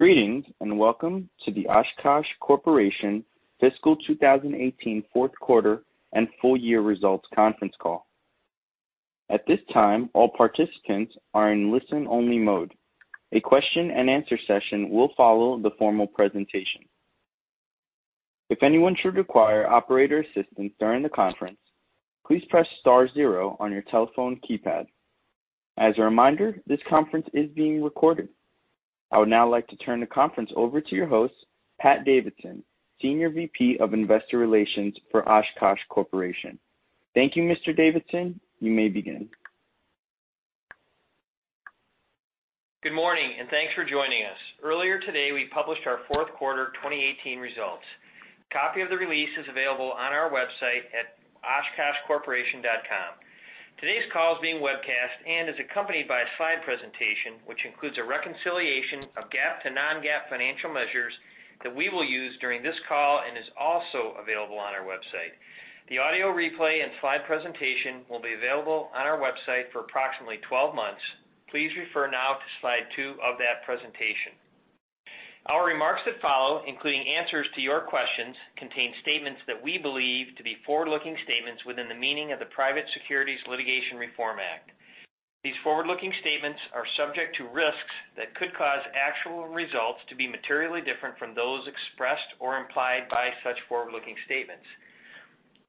Greetings and welcome to the Oshkosh Corporation Fiscal 2018 Fourth Quarter and Full Year Results Conference Call. At this time, all participants are in listen-only mode. A question-and-answer session will follow the formal presentation. If anyone should require operator assistance during the conference, please press * zero on your telephone keypad. As a reminder, this conference is being recorded. I would now like to turn the conference over to your host, Pat Davidson, Senior VP of Investor Relations for Oshkosh Corporation. Thank you, Mr. Davidson. You may begin. Good morning and thanks for joining us. Earlier today, we published our Fourth Quarter 2018 results. A copy of the release is available on our website at OshkoshCorporation.com. Today's call is being webcast and is accompanied by a slide presentation which includes a reconciliation of GAAP to non-GAAP financial measures that we will use during this call and is also available on our website. The audio replay and slide presentation will be available on our website for approximately 12 months. Please refer now to slide 2 of that presentation. Our remarks that follow, including answers to your questions, contain statements that we believe to be forward-looking statements within the meaning of the Private Securities Litigation Reform Act. These forward-looking statements are subject to risks that could cause actual results to be materially different from those expressed or implied by such forward-looking statements.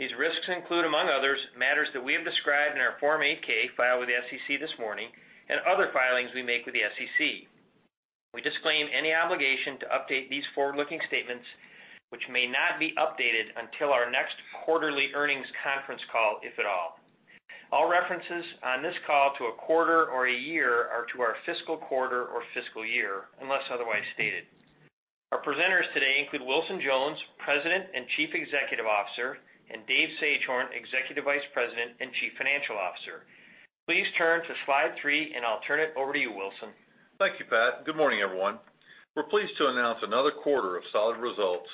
These risks include, among others, matters that we have described in our Form 8-K filed with the SEC this morning and other filings we make with the SEC. We disclaim any obligation to update these forward-looking statements, which may not be updated until our next quarterly earnings conference call, if at all. All references on this call to a quarter or a year are to our fiscal quarter or fiscal year, unless otherwise stated. Our presenters today include Wilson Jones, President and Chief Executive Officer, and Dave Sagehorn, Executive Vice President and Chief Financial Officer. Please turn to slide 3, and I'll turn it over to you, Wilson. Thank you, Pat. Good morning, everyone. We're pleased to announce another quarter of solid results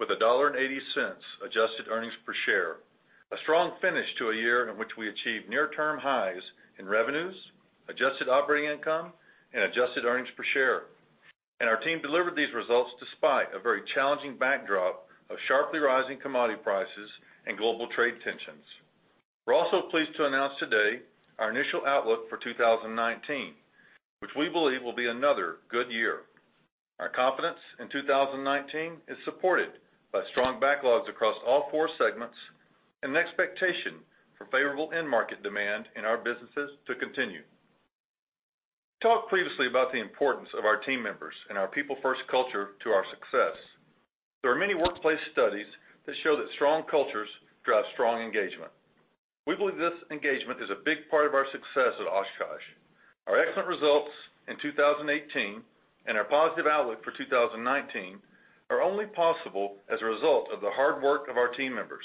with $1.80 adjusted earnings per share. A strong finish to a year in which we achieved near-term highs in revenues, adjusted operating income, and adjusted earnings per share. Our team delivered these results despite a very challenging backdrop of sharply rising commodity prices and global trade tensions. We're also pleased to announce today our initial outlook for 2019, which we believe will be another good year. Our confidence in 2019 is supported by strong backlogs across all four segments and the expectation for favorable end market demand in our businesses to continue. We talked previously about the importance of our team members and our people-first culture to our success. There are many workplace studies that show that strong cultures drive strong engagement. We believe this engagement is a big part of our success at Oshkosh. Our excellent results in 2018 and our positive outlook for 2019 are only possible as a result of the hard work of our team members.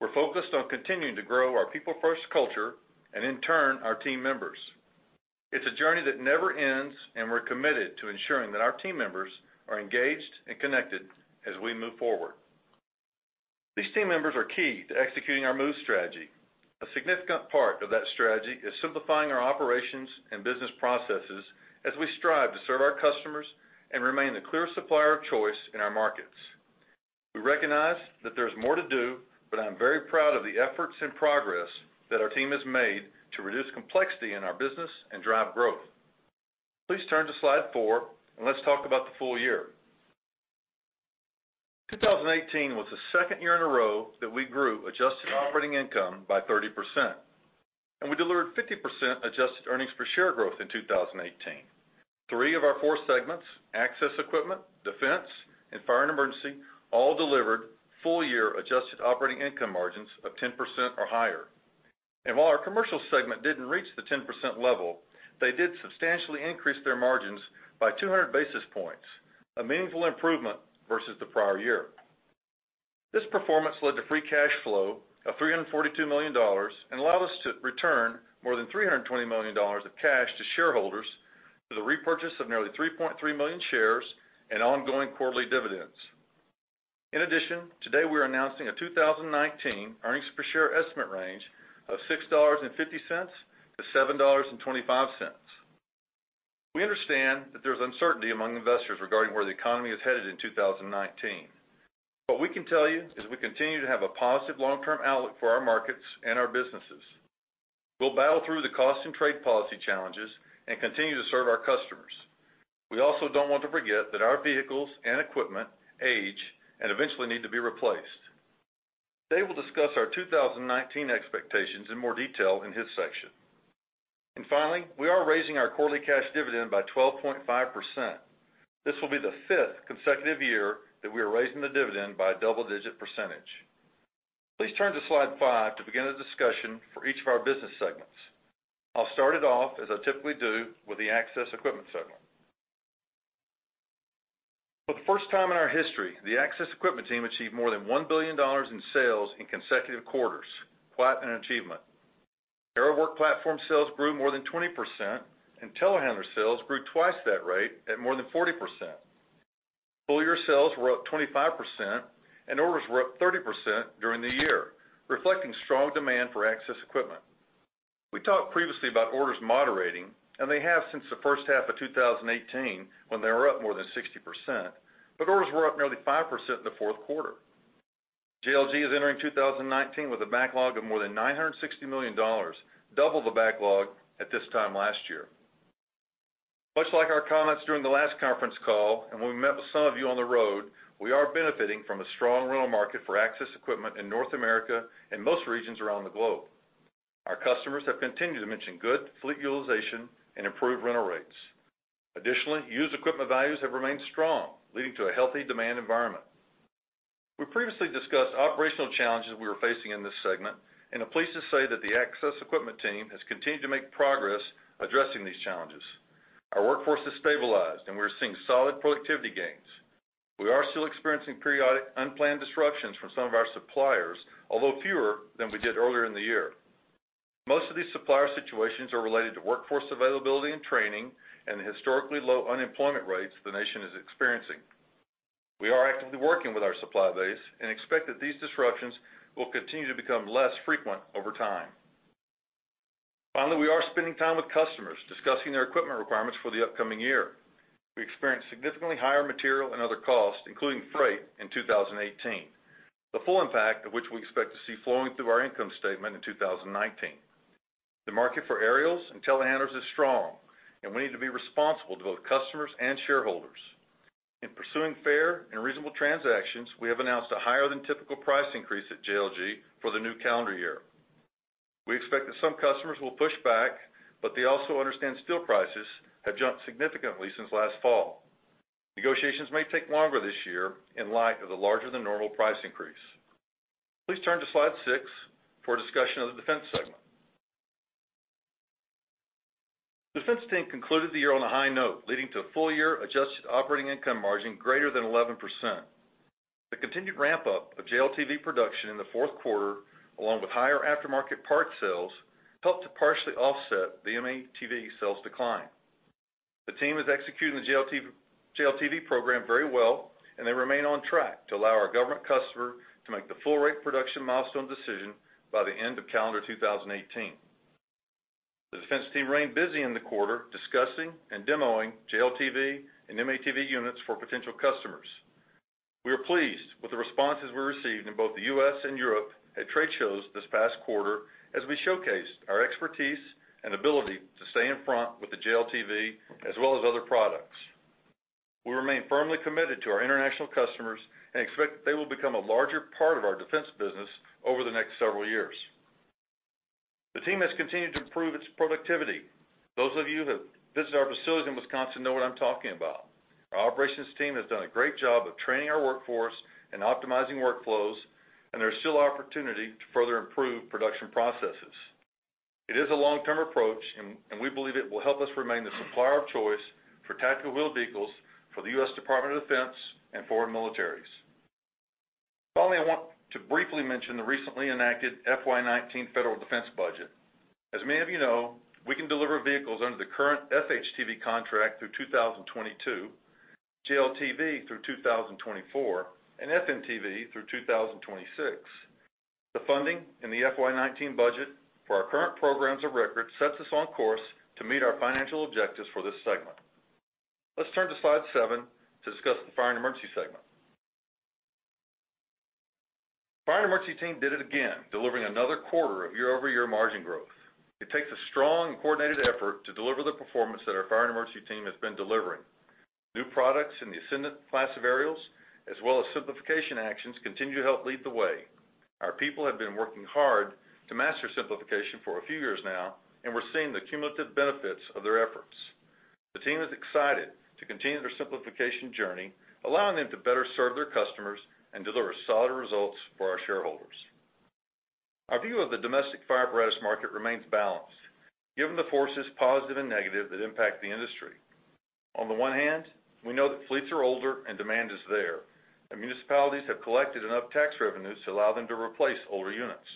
We're focused on continuing to grow our people-first culture and, in turn, our team members. It's a journey that never ends, and we're committed to ensuring that our team members are engaged and connected as we move forward. These team members are key to executing our MOVE strategy. A significant part of that strategy is simplifying our operations and business processes as we strive to serve our customers and remain the clear supplier of choice in our markets. We recognize that there is more to do, but I'm very proud of the efforts and progress that our team has made to reduce complexity in our business and drive growth. Please turn to slide four, and let's talk about the full year. 2018 was the second year in a row that we grew adjusted operating income by 30%, and we delivered 50% adjusted earnings per share growth in 2018. Three of our four segments, access equipment, defense, and fire and emergency, all delivered full-year adjusted operating income margins of 10% or higher. While our commercial segment didn't reach the 10% level, they did substantially increase their margins by 200 basis points, a meaningful improvement versus the prior year. This performance led to free cash flow of $342 million and allowed us to return more than $320 million of cash to shareholders through the repurchase of nearly 3.3 million shares and ongoing quarterly dividends. In addition, today we are announcing a 2019 earnings per share estimate range of $6.50-$7.25. We understand that there is uncertainty among investors regarding where the economy is headed in 2019. What we can tell you is we continue to have a positive long-term outlook for our markets and our businesses. We'll battle through the cost and trade policy challenges and continue to serve our customers. We also don't want to forget that our vehicles and equipment age and eventually need to be replaced. Today we'll discuss our 2019 expectations in more detail in this section. Finally, we are raising our quarterly cash dividend by 12.5%. This will be the fifth consecutive year that we are raising the dividend by a double-digit percentage. Please turn to slide five to begin a discussion for each of our business segments. I'll start it off, as I typically do, with the access equipment segment. For the first time in our history, the access equipment team achieved more than $1 billion in sales in consecutive quarters. Quite an achievement. Aerial work platform sales grew more than 20%, and telehandler sales grew twice that rate at more than 40%. Full year sales were up 25%, and orders were up 30% during the year, reflecting strong demand for access equipment. We talked previously about orders moderating, and they have since the first half of 2018 when they were up more than 60%, but orders were up nearly 5% in the fourth quarter. JLG is entering 2019 with a backlog of more than $960 million, double the backlog at this time last year. Much like our comments during the last conference call and when we met with some of you on the road, we are benefiting from a strong rental market for access equipment in North America and most regions around the globe. Our customers have continued to mention good fleet utilization and improved rental rates. Additionally, used equipment values have remained strong, leading to a healthy demand environment. We previously discussed operational challenges we were facing in this segment, and I'm pleased to say that the access equipment team has continued to make progress addressing these challenges. Our workforce has stabilized, and we are seeing solid productivity gains. We are still experiencing periodic unplanned disruptions from some of our suppliers, although fewer than we did earlier in the year. Most of these supplier situations are related to workforce availability and training and the historically low unemployment rates the nation is experiencing. We are actively working with our supply base and expect that these disruptions will continue to become less frequent over time. Finally, we are spending time with customers discussing their equipment requirements for the upcoming year. We experienced significantly higher material and other costs, including freight, in 2018, the full impact of which we expect to see flowing through our income statement in 2019. The market for aerials and telehandlers is strong, and we need to be responsible to both customers and shareholders. In pursuing fair and reasonable transactions, we have announced a higher-than-typical price increase at JLG for the new calendar year. We expect that some customers will push back, but they also understand steel prices have jumped significantly since last fall. Negotiations may take longer this year in light of the larger-than-normal price increase. Please turn to slide 6 for a discussion of the defense segment. The defense team concluded the year on a high note, leading to a full-year adjusted operating income margin greater than 11%. The continued ramp-up of JLTV production in the fourth quarter, along with higher aftermarket parts sales, helped to partially offset the M-ATV sales decline. The team is executing the JLTV program very well, and they remain on track to allow our government customer to make the full-rate production milestone decision by the end of calendar 2018. The defense team remained busy in the quarter discussing and demoing JLTV and M-ATV units for potential customers. We are pleased with the responses we received in both the U.S. and Europe at trade shows this past quarter as we showcased our expertise and ability to stay in front with the JLTV as well as other products. We remain firmly committed to our international customers and expect that they will become a larger part of our defense business over the next several years. The team has continued to improve its productivity. Those of you who have visited our facilities in Wisconsin know what I'm talking about. Our operations team has done a great job of training our workforce and optimizing workflows, and there is still opportunity to further improve production processes. It is a long-term approach, and we believe it will help us remain the supplier of choice for tactical wheeled vehicles for the US Department of Defense and foreign militaries. Finally, I want to briefly mention the recently enacted FY19 federal defense budget. As many of you know, we can deliver vehicles under the current FHTV contract through 2022, JLTV through 2024, and FMTV through 2026. The funding in the FY19 budget for our current programs of record sets us on course to meet our financial objectives for this segment. Let's turn to slide 7 to discuss the fire and emergency segment. The fire and emergency team did it again, delivering another quarter of year-over-year margin growth. It takes a strong and coordinated effort to deliver the performance that our fire and emergency team has been delivering. New products in the Ascendant Class of Aerials, as well as simplification actions, continue to help lead the way. Our people have been working hard to master simplification for a few years now, and we're seeing the cumulative benefits of their efforts. The team is excited to continue their simplification journey, allowing them to better serve their customers and deliver solid results for our shareholders. Our view of the domestic fire apparatus market remains balanced, given the forces, positive and negative, that impact the industry. On the one hand, we know that fleets are older and demand is there, and municipalities have collected enough tax revenues to allow them to replace older units.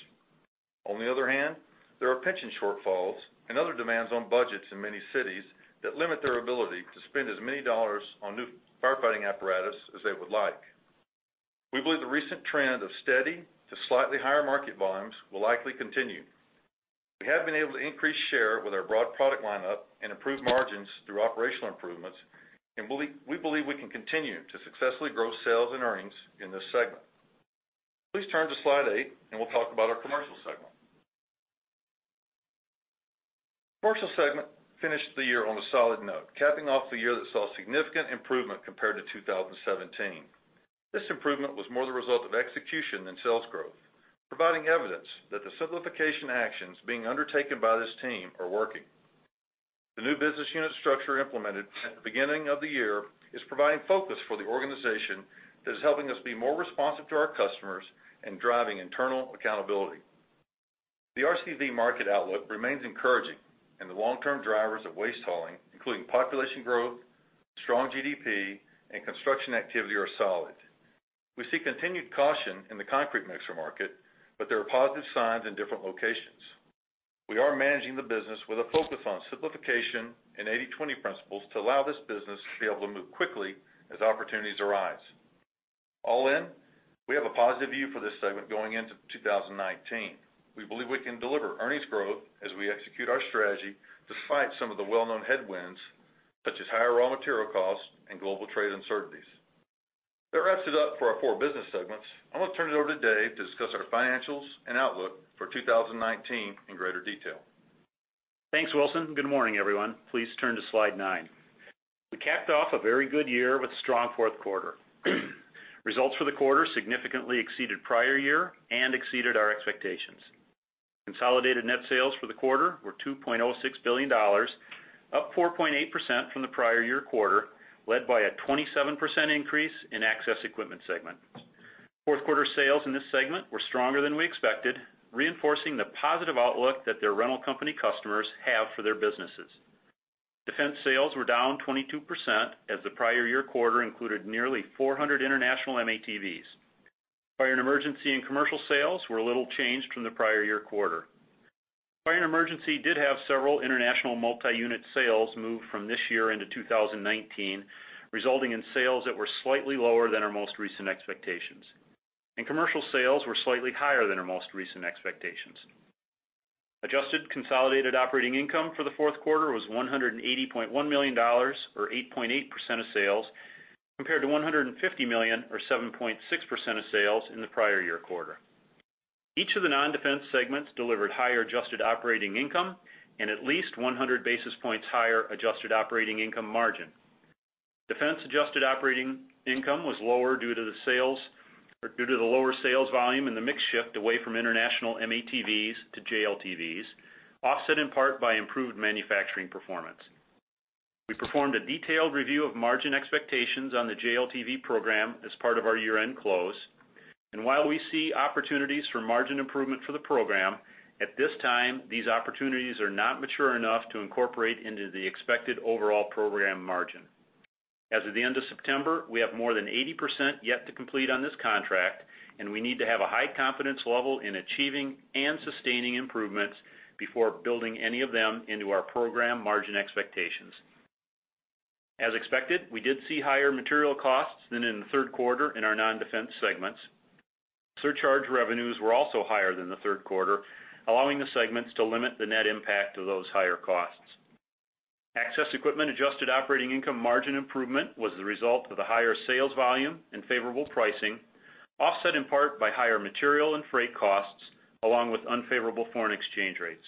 On the other hand, there are pension shortfalls and other demands on budgets in many cities that limit their ability to spend as many dollars on new firefighting apparatus as they would like. We believe the recent trend of steady to slightly higher market volumes will likely continue. We have been able to increase share with our broad product lineup and improve margins through operational improvements, and we believe we can continue to successfully grow sales and earnings in this segment. Please turn to slide 8, and we'll talk about our commercial segment. The commercial segment finished the year on a solid note, capping off the year that saw significant improvement compared to 2017. This improvement was more the result of execution than sales growth, providing evidence that the simplification actions being undertaken by this team are working. The new business unit structure implemented at the beginning of the year is providing focus for the organization that is helping us be more responsive to our customers and driving internal accountability. The RCV market outlook remains encouraging, and the long-term drivers of waste hauling, including population growth, strong GDP, and construction activity, are solid. We see continued caution in the concrete mixer market, but there are positive signs in different locations. We are managing the business with a focus on simplification and 80/20 principles to allow this business to be able to move quickly as opportunities arise. All in, we have a positive view for this segment going into 2019. We believe we can deliver earnings growth as we execute our strategy despite some of the well-known headwinds, such as higher raw material costs and global trade uncertainties. That wraps it up for our four business segments. I'm going to turn it over to Dave to discuss our financials and outlook for 2019 in greater detail. Thanks, Wilson. Good morning, everyone. Please turn to slide nine. We capped off a very good year with a strong fourth quarter. Results for the quarter significantly exceeded prior year and exceeded our expectations. Consolidated net sales for the quarter were $2.06 billion, up 4.8% from the prior-year quarter, led by a 27% increase in access equipment segment. Fourth quarter sales in this segment were stronger than we expected, reinforcing the positive outlook that their rental company customers have for their businesses. Defense sales were down 22% as the prior year quarter included nearly 400 international M-ATVs. Fire and emergency and commercial sales were a little changed from the prior year quarter. Fire and emergency did have several international multi-unit sales moved from this year into 2019, resulting in sales that were slightly lower than our most recent expectations. Commercial sales were slightly higher than our most recent expectations. Adjusted consolidated operating income for the fourth quarter was $180.1 million, or 8.8% of sales, compared to $150 million, or 7.6% of sales, in the prior year quarter. Each of the non-defense segments delivered higher adjusted operating income and at least 100 basis points higher adjusted operating income margin. Defense adjusted operating income was lower due to the lower sales volume and the mix shift away from international M-ATVs to JLTVs, offset in part by improved manufacturing performance. We performed a detailed review of margin expectations on the JLTV program as part of our year-end close. And while we see opportunities for margin improvement for the program, at this time, these opportunities are not mature enough to incorporate into the expected overall program margin. As of the end of September, we have more than 80% yet to complete on this contract, and we need to have a high confidence level in achieving and sustaining improvements before building any of them into our program margin expectations. As expected, we did see higher material costs than in the third quarter in our non-defense segments. Surcharge revenues were also higher than the third quarter, allowing the segments to limit the net impact of those higher costs. Access equipment adjusted operating income margin improvement was the result of the higher sales volume and favorable pricing, offset in part by higher material and freight costs, along with unfavorable foreign exchange rates.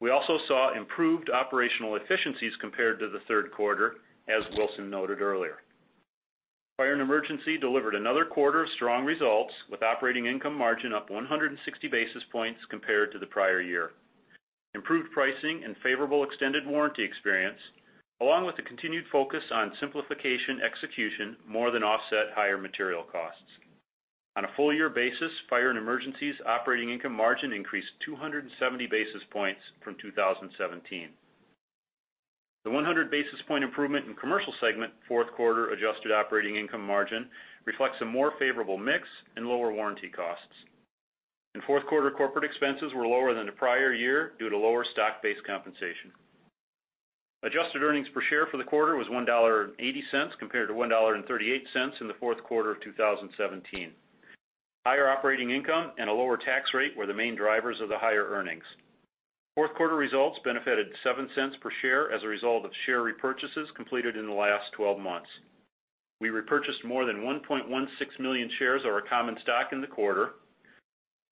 We also saw improved operational efficiencies compared to the third quarter, as Wilson noted earlier. Fire and Emergency delivered another quarter of strong results, with operating income margin up 160 basis points compared to the prior year. Improved pricing and favorable extended warranty experience, along with the continued focus on simplification execution, more than offset higher material costs. On a full-year basis, Fire and Emergency's operating income margin increased 270 basis points from 2017. The 100 basis points improvement in commercial segment fourth quarter adjusted operating income margin reflects a more favorable mix and lower warranty costs. In fourth quarter, corporate expenses were lower than the prior year due to lower stock-based compensation. Adjusted earnings per share for the quarter was $1.80 compared to $1.38 in the fourth quarter of 2017. Higher operating income and a lower tax rate were the main drivers of the higher earnings. Fourth quarter results benefited $0.07 per share as a result of share repurchases completed in the last 12 months. We repurchased more than 1.16 million shares of our common stock in the quarter.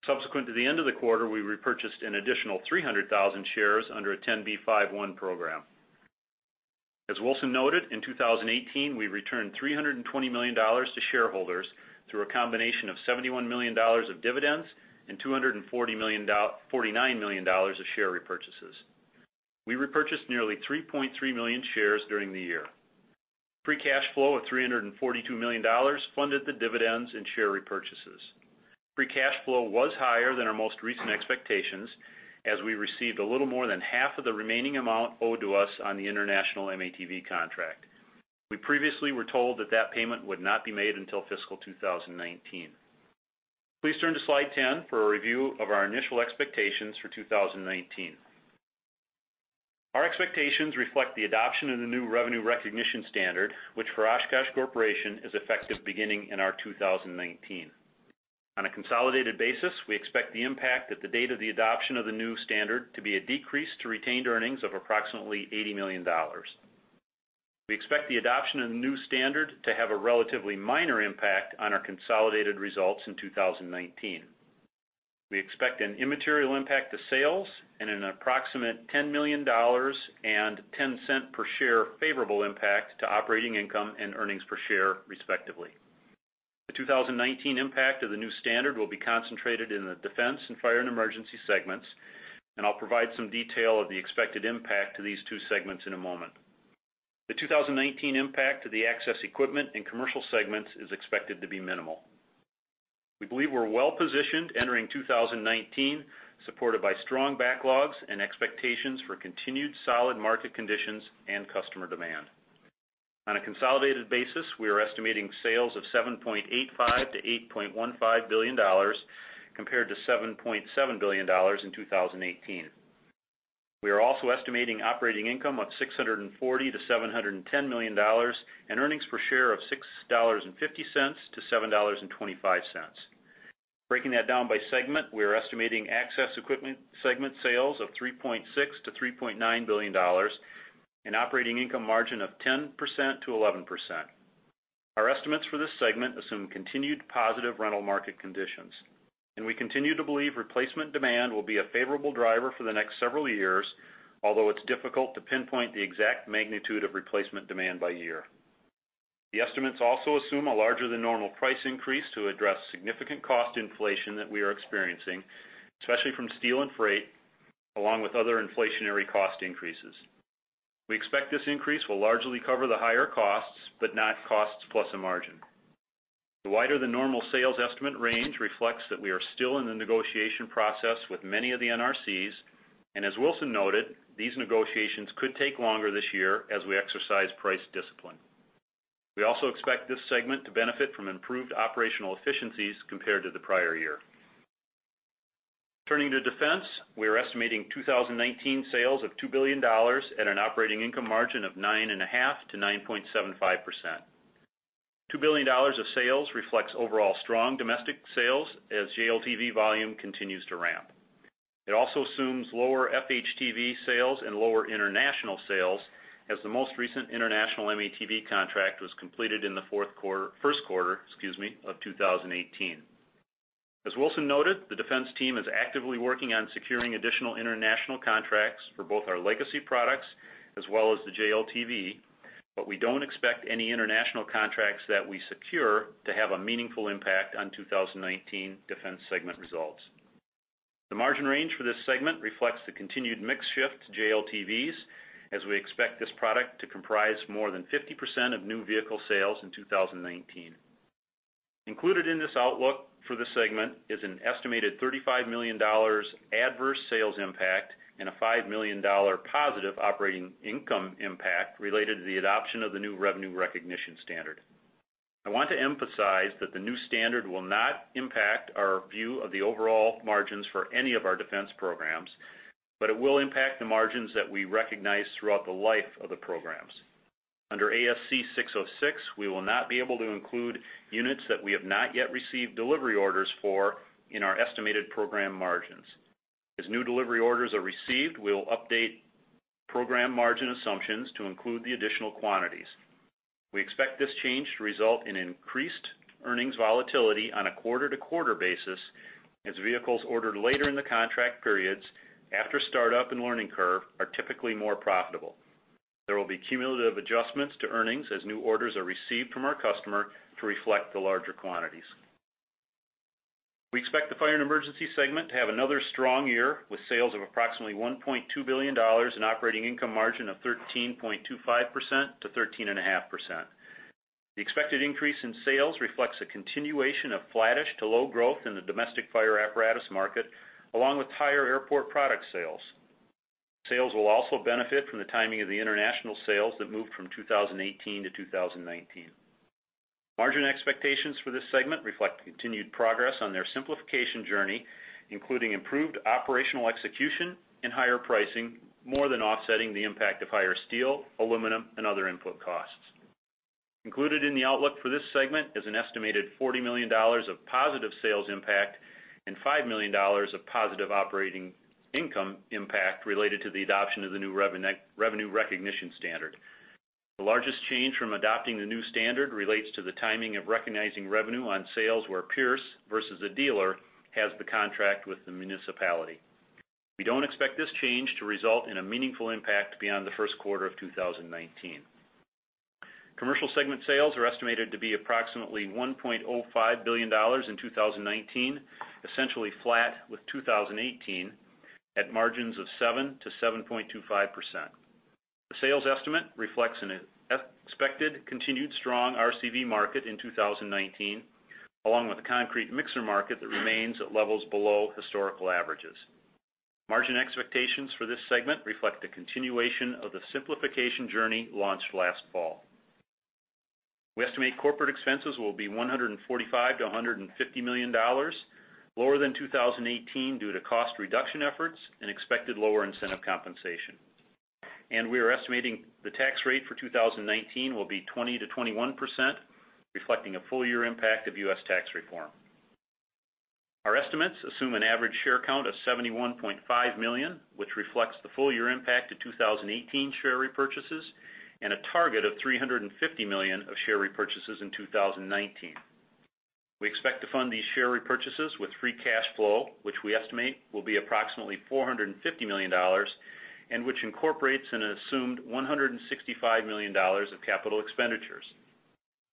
Subsequent to the end of the quarter, we repurchased an additional 300,000 shares under a 10b5-1 program. As Wilson noted, in 2018, we returned $320 million to shareholders through a combination of $71 million of dividends and $249 million of share repurchases. We repurchased nearly 3.3 million shares during the year. Free cash flow of $342 million funded the dividends and share repurchases. Free cash flow was higher than our most recent expectations as we received a little more than half of the remaining amount owed to us on the international M-ATV contract. We previously were told that that payment would not be made until fiscal 2019. Please turn to slide 10 for a review of our initial expectations for 2019. Our expectations reflect the adoption of the new revenue recognition standard, which for Oshkosh Corporation is effective beginning in our 2019. On a consolidated basis, we expect the impact at the date of the adoption of the new standard to be a decrease to retained earnings of approximately $80 million. We expect the adoption of the new standard to have a relatively minor impact on our consolidated results in 2019. We expect an immaterial impact to sales and an approximate $10 million and $0.10 per share favorable impact to operating income and earnings per share, respectively. The 2019 impact of the new standard will be concentrated in the defense and fire and emergency segments, and I'll provide some detail of the expected impact to these two segments in a moment. The 2019 impact to the access equipment and commercial segments is expected to be minimal. We believe we're well-positioned entering 2019, supported by strong backlogs and expectations for continued solid market conditions and customer demand. On a consolidated basis, we are estimating sales of $7.85-$8.15 billion compared to $7.7 billion in 2018. We are also estimating operating income of $640-$710 million and earnings per share of $6.50-$7.25. Breaking that down by segment, we are estimating access equipment segment sales of $3.6-$3.9 billion and operating income margin of 10%-11%. Our estimates for this segment assume continued positive rental market conditions, and we continue to believe replacement demand will be a favorable driver for the next several years, although it's difficult to pinpoint the exact magnitude of replacement demand by year. The estimates also assume a larger than normal price increase to address significant cost inflation that we are experiencing, especially from steel and freight, along with other inflationary cost increases. We expect this increase will largely cover the higher costs but not costs plus a margin. The wider than normal sales estimate range reflects that we are still in the negotiation process with many of the NRCs, and as Wilson noted, these negotiations could take longer this year as we exercise price discipline. We also expect this segment to benefit from improved operational efficiencies compared to the prior year. Turning to defense, we are estimating 2019 sales of $2 billion and an operating income margin of 9.5%-9.75%. $2 billion of sales reflects overall strong domestic sales as JLTV volume continues to ramp. It also assumes lower FHTV sales and lower international sales as the most recent international M-ATV contract was completed in the first quarter of 2018. As Wilson noted, the defense team is actively working on securing additional international contracts for both our legacy products as well as the JLTV, but we don't expect any international contracts that we secure to have a meaningful impact on 2019 defense segment results. The margin range for this segment reflects the continued mix shift to JLTVs as we expect this product to comprise more than 50% of new vehicle sales in 2019. Included in this outlook for the segment is an estimated $35 million adverse sales impact and a $5 million positive operating income impact related to the adoption of the new revenue recognition standard. I want to emphasize that the new standard will not impact our view of the overall margins for any of our defense programs, but it will impact the margins that we recognize throughout the life of the programs. Under ASC 606, we will not be able to include units that we have not yet received delivery orders for in our estimated program margins. As new delivery orders are received, we'll update program margin assumptions to include the additional quantities. We expect this change to result in increased earnings volatility on a quarter-to-quarter basis as vehicles ordered later in the contract periods after startup and learning curve are typically more profitable. There will be cumulative adjustments to earnings as new orders are received from our customer to reflect the larger quantities. We expect the fire and emergency segment to have another strong year with sales of approximately $1.2 billion and operating income margin of 13.25%-13.5%. The expected increase in sales reflects a continuation of flattish to low growth in the domestic fire apparatus market, along with higher airport product sales. Sales will also benefit from the timing of the international sales that moved from 2018 to 2019. Margin expectations for this segment reflect continued progress on their simplification journey, including improved operational execution and higher pricing, more than offsetting the impact of higher steel, aluminum, and other input costs. Included in the outlook for this segment is an estimated $40 million of positive sales impact and $5 million of positive operating income impact related to the adoption of the new revenue recognition standard. The largest change from adopting the new standard relates to the timing of recognizing revenue on sales where Pierce versus a dealer has the contract with the municipality. We don't expect this change to result in a meaningful impact beyond the first quarter of 2019. Commercial segment sales are estimated to be approximately $1.05 billion in 2019, essentially flat with 2018 at margins of 7%-7.25%. The sales estimate reflects an expected continued strong RCV market in 2019, along with a concrete mixer market that remains at levels below historical averages. Margin expectations for this segment reflect a continuation of the simplification journey launched last fall. We estimate corporate expenses will be $145 million-$150 million, lower than 2018 due to cost reduction efforts and expected lower incentive compensation. We are estimating the tax rate for 2019 will be 20%-21%, reflecting a full-year impact of U.S. tax reform. Our estimates assume an average share count of 71.5 million, which reflects the full-year impact of 2018 share repurchases and a target of $350 million of share repurchases in 2019. We expect to fund these share repurchases with free cash flow, which we estimate will be approximately $450 million and which incorporates an assumed $165 million of capital expenditures.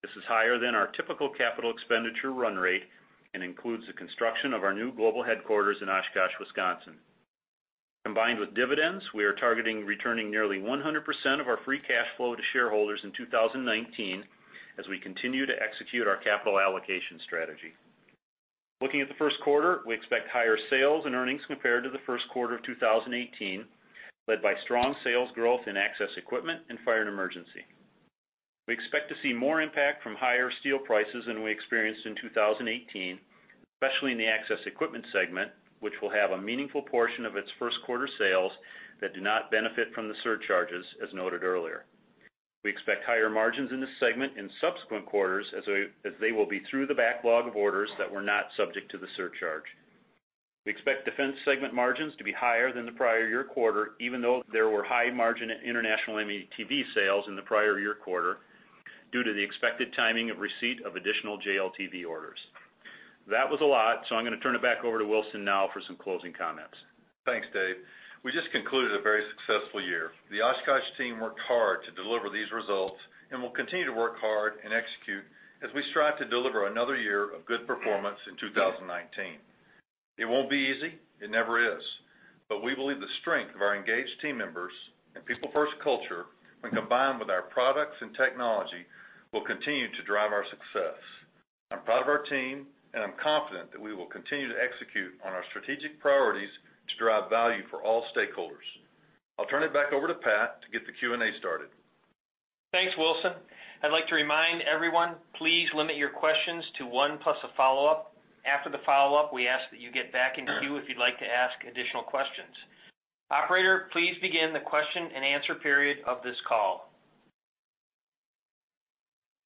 This is higher than our typical capital expenditure run rate and includes the construction of our new global headquarters in Oshkosh, Wisconsin. Combined with dividends, we are targeting returning nearly 100% of our free cash flow to shareholders in 2019 as we continue to execute our capital allocation strategy. Looking at the first quarter, we expect higher sales and earnings compared to the first quarter of 2018, led by strong sales growth in access equipment and fire and emergency. We expect to see more impact from higher steel prices than we experienced in 2018, especially in the access equipment segment, which will have a meaningful portion of its first quarter sales that do not benefit from the surcharges, as noted earlier. We expect higher margins in this segment in subsequent quarters as they will be through the backlog of orders that were not subject to the surcharge. We expect defense segment margins to be higher than the prior year quarter, even though there were high margin international M-ATV sales in the prior year quarter due to the expected timing of receipt of additional JLTV orders. That was a lot, so I'm going to turn it back over to Wilson now for some closing comments. Thanks, Dave. We just concluded a very successful year. The Oshkosh team worked hard to deliver these results and will continue to work hard and execute as we strive to deliver another year of good performance in 2019. It won't be easy. It never is. But we believe the strength of our engaged team members and people-first culture, when combined with our products and technology, will continue to drive our success. I'm proud of our team, and I'm confident that we will continue to execute on our strategic priorities to drive value for all stakeholders. I'll turn it back over to Pat to get the Q&A started. Thanks, Wilson. I'd like to remind everyone, please limit your questions to one plus a follow-up. After the follow-up, we ask that you get back into queue if you'd like to ask additional questions. Operator, please begin the question and answer period of this call.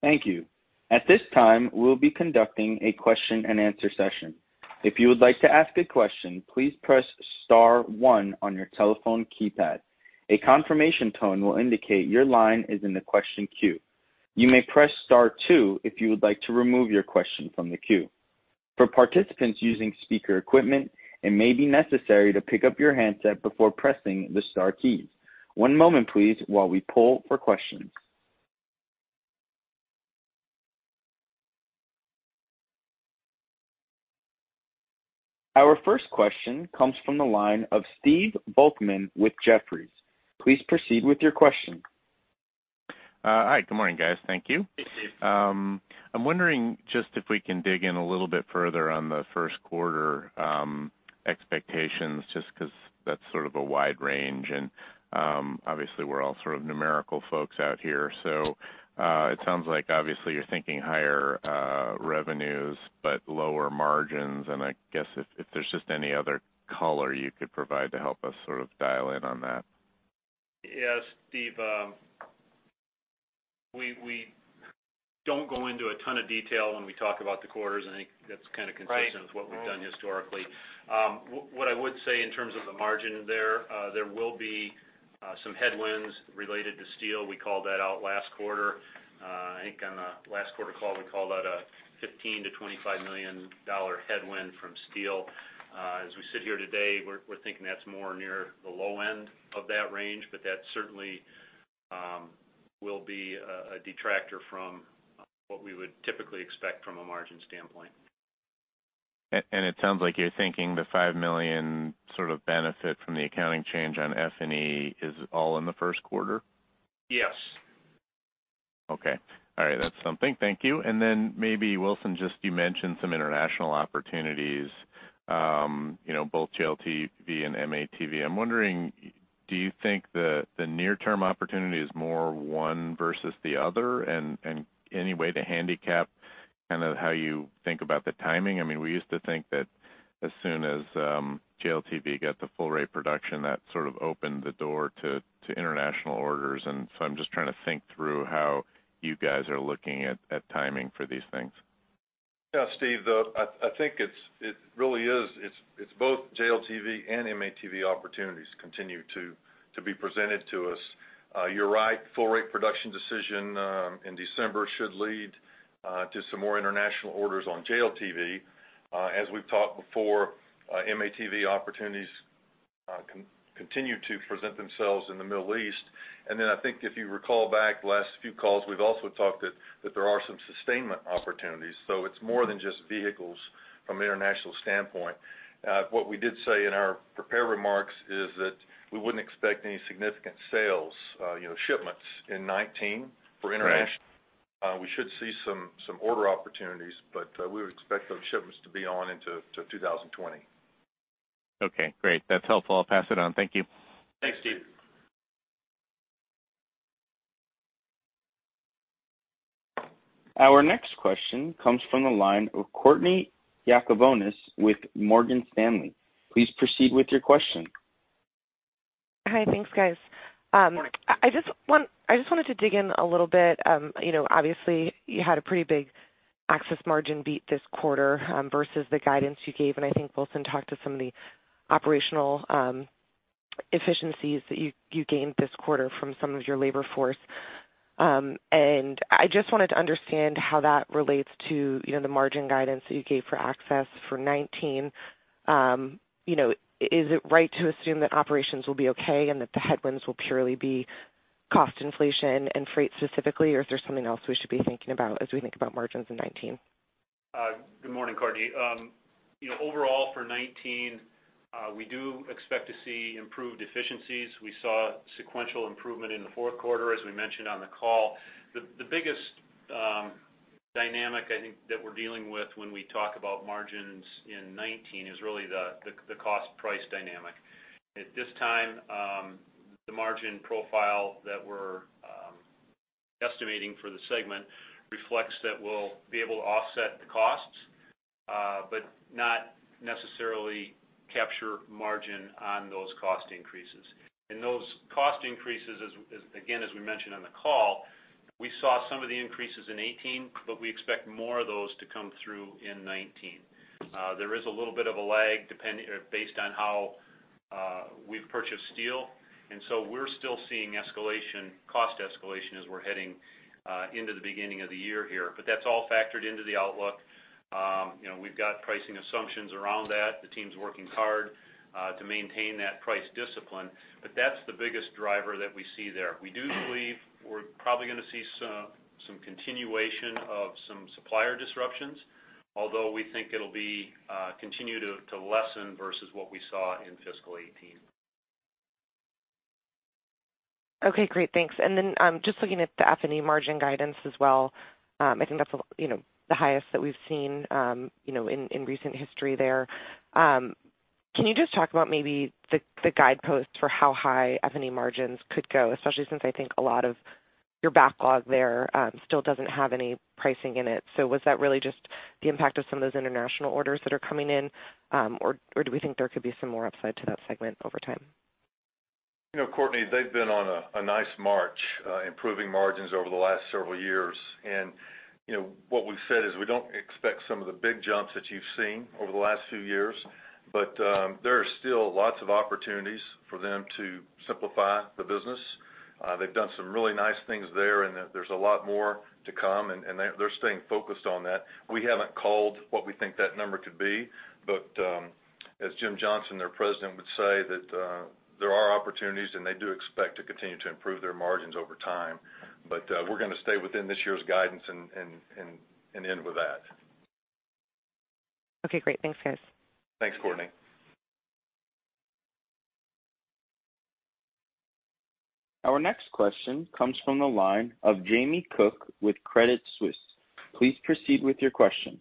Thank you. At this time, we'll be conducting a question and answer session. If you would like to ask a question, please press * one on your telephone keypad. A confirmation tone will indicate your line is in the question queue. You may press * two if you would like to remove your question from the queue. For participants using speaker equipment, it may be necessary to pick up your handset before pressing the * keys. One moment, please, while we pull for questions. Our first question comes from the line of Stephen Volkmann with Jefferies. Please proceed with your question. Hi. Good morning, guys. Thank you. Hey, Steve. I'm wondering just if we can dig in a little bit further on the first quarter expectations, just because that's sort of a wide range. And obviously, we're all sort of numerical folks out here. So it sounds like, obviously, you're thinking higher revenues but lower margins. And I guess if there's just any other color you could provide to help us sort of dial in on that. Yes, Steve. We don't go into a ton of detail when we talk about the quarters. I think that's kind of consistent with what we've done historically. What I would say in terms of the margin there, there will be some headwinds related to steel. We called that out last quarter. I think on the last quarter call, we called out a $15 million-$25 million headwind from steel. As we sit here today, we're thinking that's more near the low end of that range, but that certainly will be a detractor from what we would typically expect from a margin standpoint. And it sounds like you're thinking the $5 million sort of benefit from the accounting change on F&E is all in the first quarter? Yes. Okay. All right. That's something. Thank you. And then maybe, Wilson, just you mentioned some international opportunities, both JLTV and M-ATV. I'm wondering, do you think the near-term opportunity is more one versus the other? And any way to handicap kind of how you think about the timing? I mean, we used to think that as soon as JLTV got the full-rate production, that sort of opened the door to international orders. And so I'm just trying to think through how you guys are looking at timing for these things. Yeah, Steve, I think it really is. It's both JLTV and M-ATV opportunities continue to be presented to us. You're right. Full-rate production decision in December should lead to some more international orders on JLTV. As we've talked before, M-ATV opportunities continue to present themselves in the Middle East. And then I think if you recall back the last few calls, we've also talked that there are some sustainment opportunities. So it's more than just vehicles from an international standpoint. What we did say in our prepared remarks is that we wouldn't expect any significant sales shipments in 2019 for international. We should see some order opportunities, but we would expect those shipments to be on into 2020. Okay. Great. That's helpful. I'll pass it on. Thank you. Thanks, Steve. Our next question comes from the line of Courtney Yakavonis with Morgan Stanley. Please proceed with your question. Hi. Thanks, guys. Good morning. I just wanted to dig in a little bit. Obviously, you had a pretty big access margin beat this quarter versus the guidance you gave. And I think Wilson talked to some of the operational efficiencies that you gained this quarter from some of your labor force. And I just wanted to understand how that relates to the margin guidance that you gave for access for 2019. Is it right to assume that operations will be okay and that the headwinds will purely be cost inflation and freight specifically, or is there something else we should be thinking about as we think about margins in 2019? Good morning, Courtney. Overall, for 2019, we do expect to see improved efficiencies. We saw sequential improvement in the fourth quarter, as we mentioned on the call. The biggest dynamic I think that we're dealing with when we talk about margins in 2019 is really the cost-price dynamic. At this time, the margin profile that we're estimating for the segment reflects that we'll be able to offset the costs but not necessarily capture margin on those cost increases. And those cost increases, again, as we mentioned on the call, we saw some of the increases in 2018, but we expect more of those to come through in 2019. There is a little bit of a lag based on how we've purchased steel. And so we're still seeing cost escalation as we're heading into the beginning of the year here. But that's all factored into the outlook. We've got pricing assumptions around that. The team's working hard to maintain that price discipline. But that's the biggest driver that we see there. We do believe we're probably going to see some continuation of some supplier disruptions, although we think it'll continue to lessen versus what we saw in fiscal 2018. Okay. Great. Thanks. And then just looking at the F&E margin guidance as well, I think that's the highest that we've seen in recent history there. Can you just talk about maybe the guideposts for how high F&E margins could go, especially since I think a lot of your backlog there still doesn't have any pricing in it? So was that really just the impact of some of those international orders that are coming in, or do we think there could be some more upside to that segment over time? Courtney, they've been on a nice march, improving margins over the last several years. And what we've said is we don't expect some of the big jumps that you've seen over the last few years, but there are still lots of opportunities for them to simplify the business. They've done some really nice things there, and there's a lot more to come, and they're staying focused on that. We haven't called what we think that number could be. But as Jim Johnson, their President, would say, there are opportunities, and they do expect to continue to improve their margins over time. But we're going to stay within this year's guidance and end with that. Okay. Great. Thanks, guys. Thanks, Courtney. Our next question comes from the line of Jamie Cook with Credit Suisse. Please proceed with your question.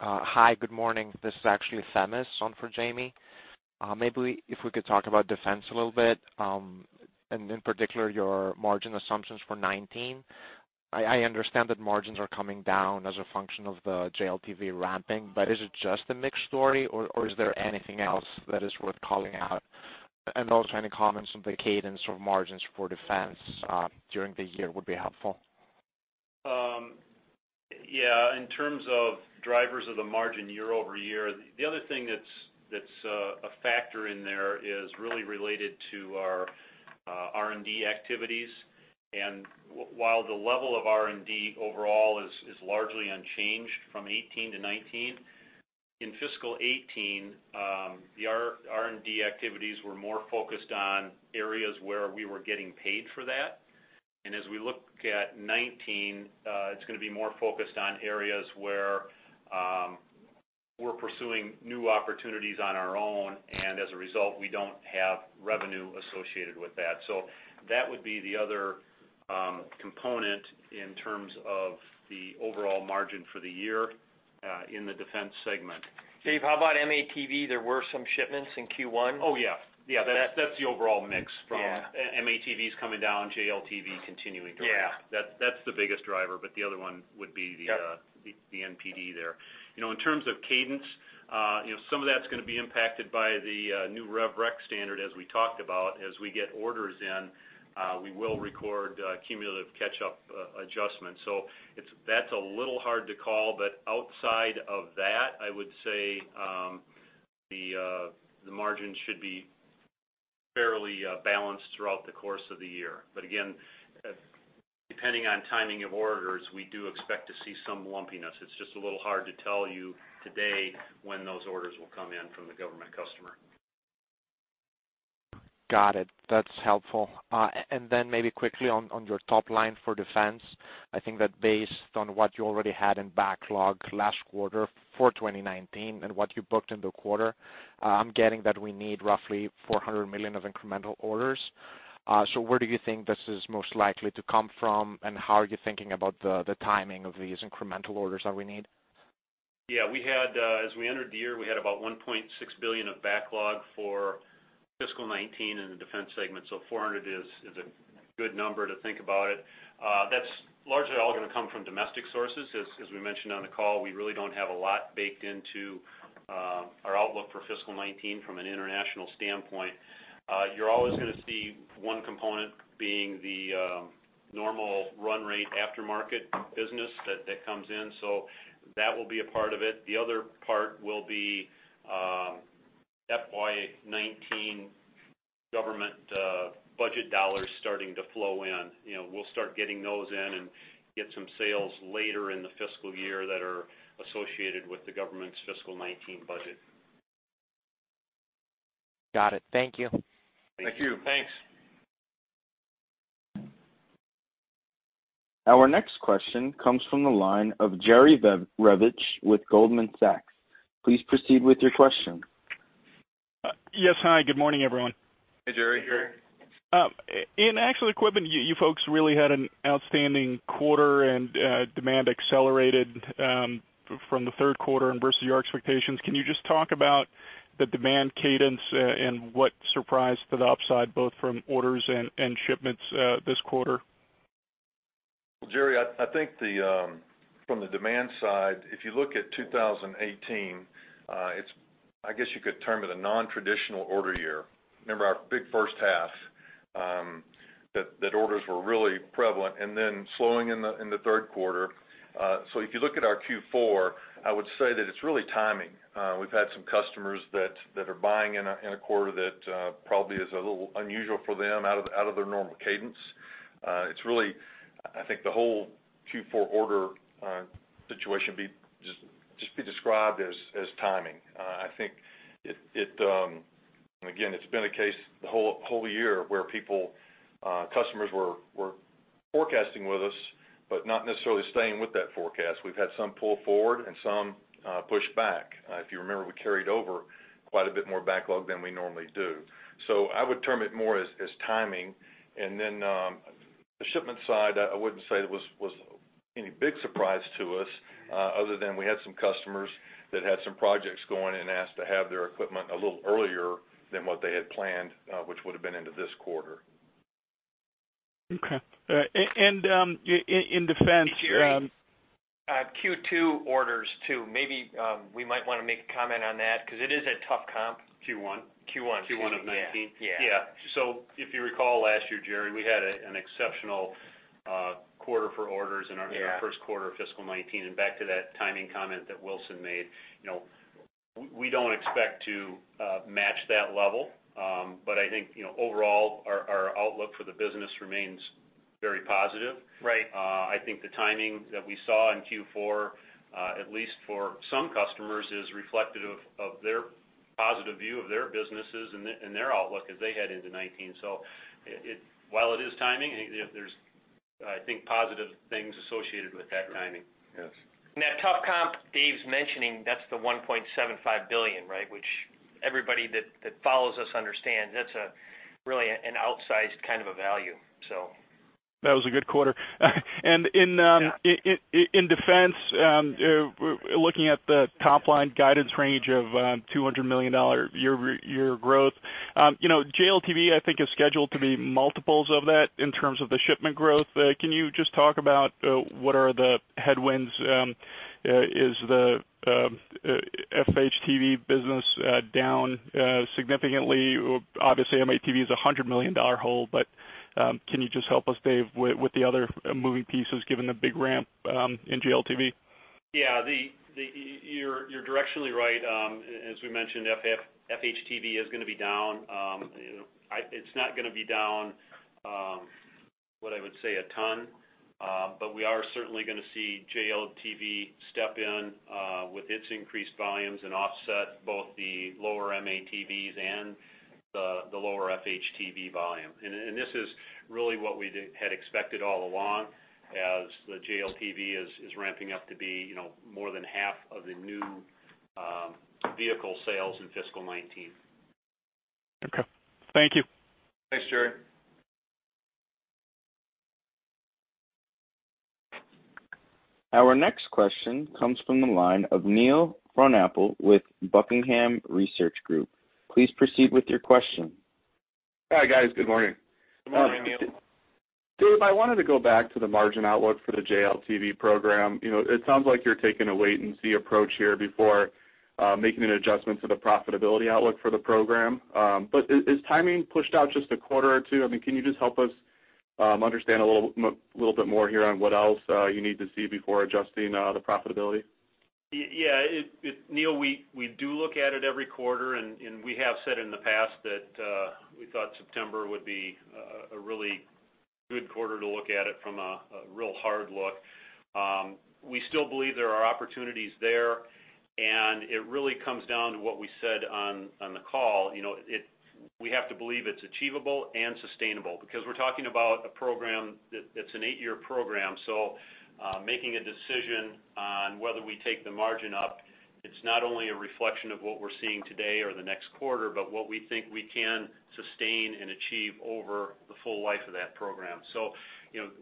Hi. Good morning. This is actually Themis on for Jamie. Maybe if we could talk about defense a little bit, and in particular, your margin assumptions for 2019. I understand that margins are coming down as a function of the JLTV ramping, but is it just a mixed story, or is there anything else that is worth calling out? And also, any comments on the cadence of margins for defense during the year would be helpful. Yeah. In terms of drivers of the margin year-over-year, the other thing that's a factor in there is really related to our R&D activities. And while the level of R&D overall is largely unchanged from 2018 to 2019, in fiscal 2018, the R&D activities were more focused on areas where we were getting paid for that. And as we look at 2019, it's going to be more focused on areas where we're pursuing new opportunities on our own, and as a result, we don't have revenue associated with that. So that would be the other component in terms of the overall margin for the year in the defense segment. Dave, how about M-ATV? There were some shipments in Q1. Oh, yeah. Yeah. That's the overall mix from M-ATVs coming down, JLTV continuing to ramp. That's the biggest driver, but the other one would be the NPD there. In terms of cadence, some of that's going to be impacted by the new Rev Rec standard, as we talked about. As we get orders in, we will record cumulative catch-up adjustments. So that's a little hard to call. But outside of that, I would say the margins should be fairly balanced throughout the course of the year. But again, depending on timing of orders, we do expect to see some lumpiness. It's just a little hard to tell you today when those orders will come in from the government customer. Got it. That's helpful. And then maybe quickly on your top line for defense, I think that based on what you already had in backlog last quarter for 2019 and what you booked in the quarter, I'm getting that we need roughly $400 million of incremental orders. So where do you think this is most likely to come from, and how are you thinking about the timing of these incremental orders that we need? Yeah. As we entered the year, we had about $1.6 billion of backlog for fiscal 2019 in the defense segment. So 400 is a good number to think about it. That's largely all going to come from domestic sources. As we mentioned on the call, we really don't have a lot baked into our outlook for fiscal 2019 from an international standpoint. You're always going to see one component being the normal run rate aftermarket business that comes in. So that will be a part of it. The other part will be FY 2019 government budget dollars starting to flow in. We'll start getting those in and get some sales later in the fiscal year that are associated with the government's fiscal 2019 budget. Got it. Thank you. Thank you. Thanks. Our next question comes from the line of Jerry Revich with Goldman Sachs. Please proceed with your question. Yes. Hi. Good morning, everyone. Hey, Jerry. Hey, Jerry. In access equipment, you folks really had an outstanding quarter, and demand accelerated from the third quarter and versus your expectations. Can you just talk about the demand cadence and what surprised to the upside, both from orders and shipments this quarter? Well, Jerry, I think from the demand side, if you look at 2018, I guess you could term it a non-traditional order year. Remember our big first half that orders were really prevalent, and then slowing in the third quarter. So if you look at our Q4, I would say that it's really timing. We've had some customers that are buying in a quarter that probably is a little unusual for them out of their normal cadence. I think the whole Q4 order situation just be described as timing. I think, again, it's been a case the whole year where customers were forecasting with us but not necessarily staying with that forecast. We've had some pull forward and some push back. If you remember, we carried over quite a bit more backlog than we normally do. So I would term it more as timing. And then the shipment side, I wouldn't say it was any big surprise to us other than we had some customers that had some projects going and asked to have their equipment a little earlier than what they had planned, which would have been into this quarter. Okay. And in defense. Thank you, Jerry. Q2 orders too. Maybe we might want to make a comment on that because it is a tough comp. Q1. Q1. Q1 of 2019. Yeah. Yeah. So if you recall last year, Jerry, we had an exceptional quarter for orders in our first quarter of fiscal 2019. And back to that timing comment that Wilson made, we don't expect to match that level. But I think overall, our outlook for the business remains very positive. I think the timing that we saw in Q4, at least for some customers, is reflective of their positive view of their businesses and their outlook as they head into 2019. So while it is timing, there's, I think, positive things associated with that timing. Yes. And that tough comp Dave's mentioning, that's the $1.75 billion, right, which everybody that follows us understands that's really an outsized kind of a value, so. That was a good quarter. And in defense, looking at the top line guidance range of $200 million year growth, JLTV, I think, is scheduled to be multiples of that in terms of the shipment growth. Can you just talk about what are the headwinds? Is the FHTV business down significantly? Obviously, M-ATV is a $100 million hold. But can you just help us, Dave, with the other moving pieces given the big ramp in JLTV? Yeah. You're directionally right. As we mentioned, FHTV is going to be down. It's not going to be down, what I would say, a ton. But we are certainly going to see JLTV step in with its increased volumes and offset both the lower M-ATVs and the lower FHTV volume. And this is really what we had expected all along as the JLTV is ramping up to be more than half of the new vehicle sales in fiscal 2019. Okay. Thank you. Thanks, Jerry. Our next question comes from the line of Neil Frohnapfel with Buckingham Research Group. Please proceed with your question. Hi, guys. Good morning. Good morning, Neil. Dave, I wanted to go back to the margin outlook for the JLTV program. It sounds like you're taking a wait-and-see approach here before making an adjustment to the profitability outlook for the program. But is timing pushed out just a quarter or two? I mean, can you just help us understand a little bit more here on what else you need to see before adjusting the profitability? Yeah. Neil, we do look at it every quarter, and we have said in the past that we thought September would be a really good quarter to look at it from a real hard look. We still believe there are opportunities there, and it really comes down to what we said on the call. We have to believe it's achievable and sustainable because we're talking about a program that's an 8-year program. So making a decision on whether we take the margin up, it's not only a reflection of what we're seeing today or the next quarter, but what we think we can sustain and achieve over the full life of that program. So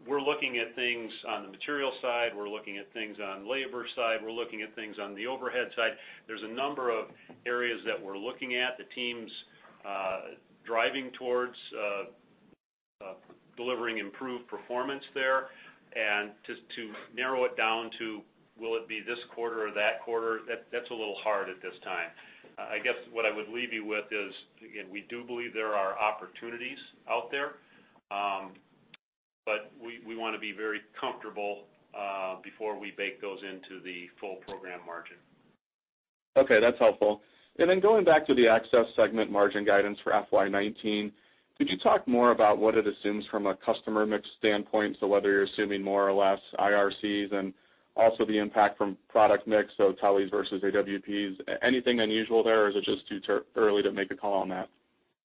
we're looking at things on the material side. We're looking at things on the labor side. We're looking at things on the overhead side. There's a number of areas that we're looking at, the teams driving towards delivering improved performance there. And to narrow it down to, "Will it be this quarter or that quarter?" that's a little hard at this time. I guess what I would leave you with is, again, we do believe there are opportunities out there, but we want to be very comfortable before we bake those into the full program margin. Okay. That's helpful. And then going back to the access segment margin guidance for FY 2019, could you talk more about what it assumes from a customer mix standpoint, so whether you're assuming more or less IRCs and also the impact from product mix, so teles versus AWPs? Anything unusual there, or is it just too early to make a call on that?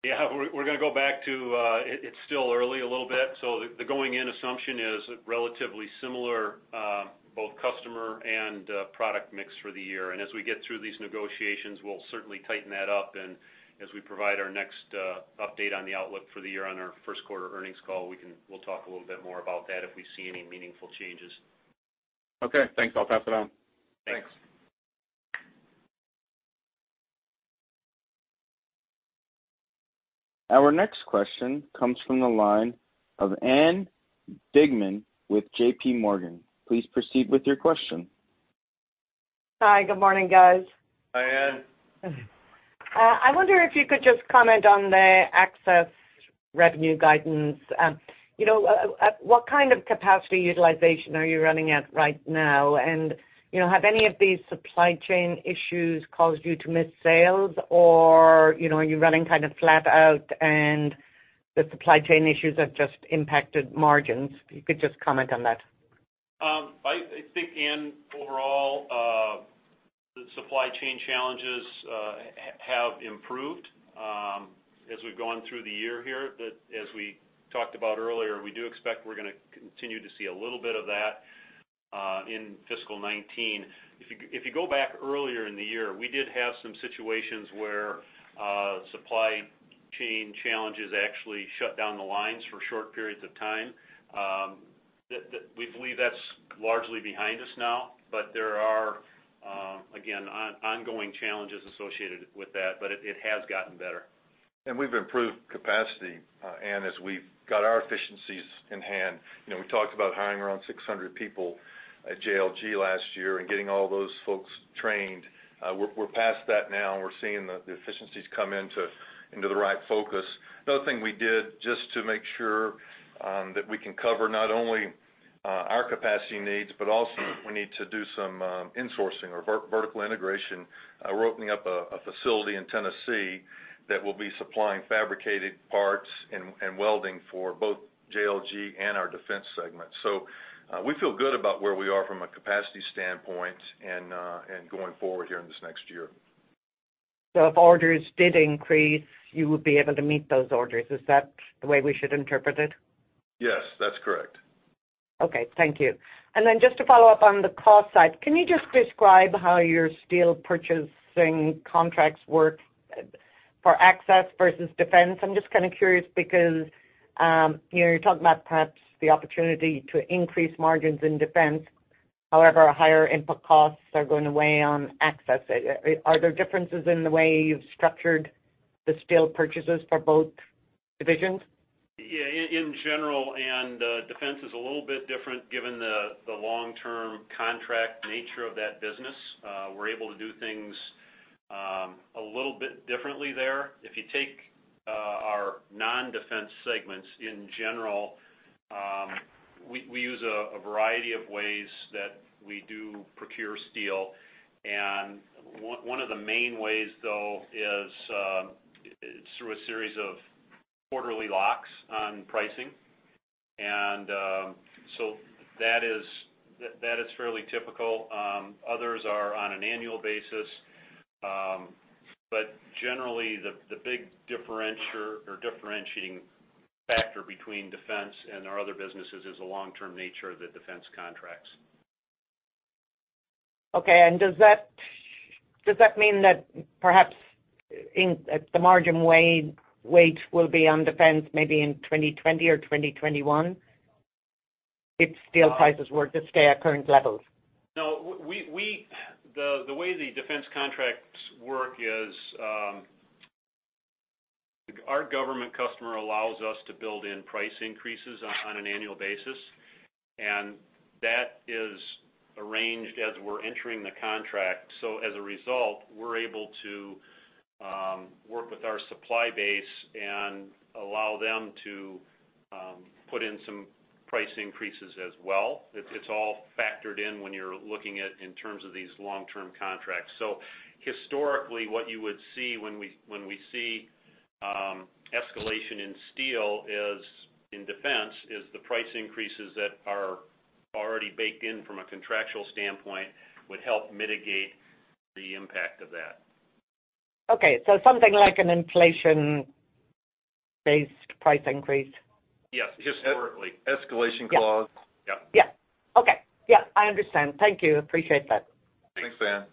Yeah. We're going to go back to, it's still early a little bit. So the going-in assumption is relatively similar, both customer and product mix for the year. And as we get through these negotiations, we'll certainly tighten that up. As we provide our next update on the outlook for the year on our first quarter earnings call, we'll talk a little bit more about that if we see any meaningful changes. Okay. Thanks. I'll pass it on. Thanks. Our next question comes from the line of Ann Duignan with JPMorgan. Please proceed with your question. Hi. Good morning, guys. Hi, Ann. I wonder if you could just comment on the access revenue guidance. What kind of capacity utilization are you running at right now? And have any of these supply chain issues caused you to miss sales, or are you running kind of flat out and the supply chain issues have just impacted margins? If you could just comment on that. I think, Ann, overall, the supply chain challenges have improved as we've gone through the year here. As we talked about earlier, we do expect we're going to continue to see a little bit of that in fiscal 2019. If you go back earlier in the year, we did have some situations where supply chain challenges actually shut down the lines for short periods of time. We believe that's largely behind us now, but there are, again, ongoing challenges associated with that, but it has gotten better. And we've improved capacity, Ann, as we've got our efficiencies in hand. We talked about hiring around 600 people at JLG last year and getting all those folks trained. We're past that now, and we're seeing the efficiencies come into the right focus. Another thing we did just to make sure that we can cover not only our capacity needs, but also we need to do some insourcing or vertical integration. We're opening up a facility in Tennessee that will be supplying fabricated parts and welding for both JLG and our defense segment. So we feel good about where we are from a capacity standpoint and going forward here in this next year. So if orders did increase, you would be able to meet those orders. Is that the way we should interpret it? Yes. That's correct. Okay. Thank you. And then just to follow up on the cost side, can you just describe how your steel purchasing contracts work for access versus defense? I'm just kind of curious because you're talking about perhaps the opportunity to increase margins in defense. However, higher input costs are going to weigh on access. Are there differences in the way you've structured the steel purchases for both divisions? Yeah. In general, Ann, defense is a little bit different given the long-term contract nature of that business. We're able to do things a little bit differently there. If you take our non-defense segments in general, we use a variety of ways that we do procure steel. And one of the main ways, though, is through a series of quarterly locks on pricing. And so that is fairly typical. Others are on an annual basis. But generally, the big differentiating factor between defense and our other businesses is the long-term nature of the defense contracts. Okay. And does that mean that perhaps the margin weight will be on defense maybe in 2020 or 2021 if steel prices were to stay at current levels? No. The way the defense contracts work is our government customer allows us to build in price increases on an annual basis. And that is arranged as we're entering the contract. So as a result, we're able to work with our supply base and allow them to put in some price increases as well. It's all factored in when you're looking at it in terms of these long-term contracts. So historically, what you would see when we see escalation in steel in defense is the price increases that are already baked in from a contractual standpoint would help mitigate the impact of that. Okay. So something like an inflation-based price increase? Yes. Historically. Escalation clause. Yeah. Yeah. Okay. Yeah. I understand. Thank you. Appreciate that. Thanks, Ann.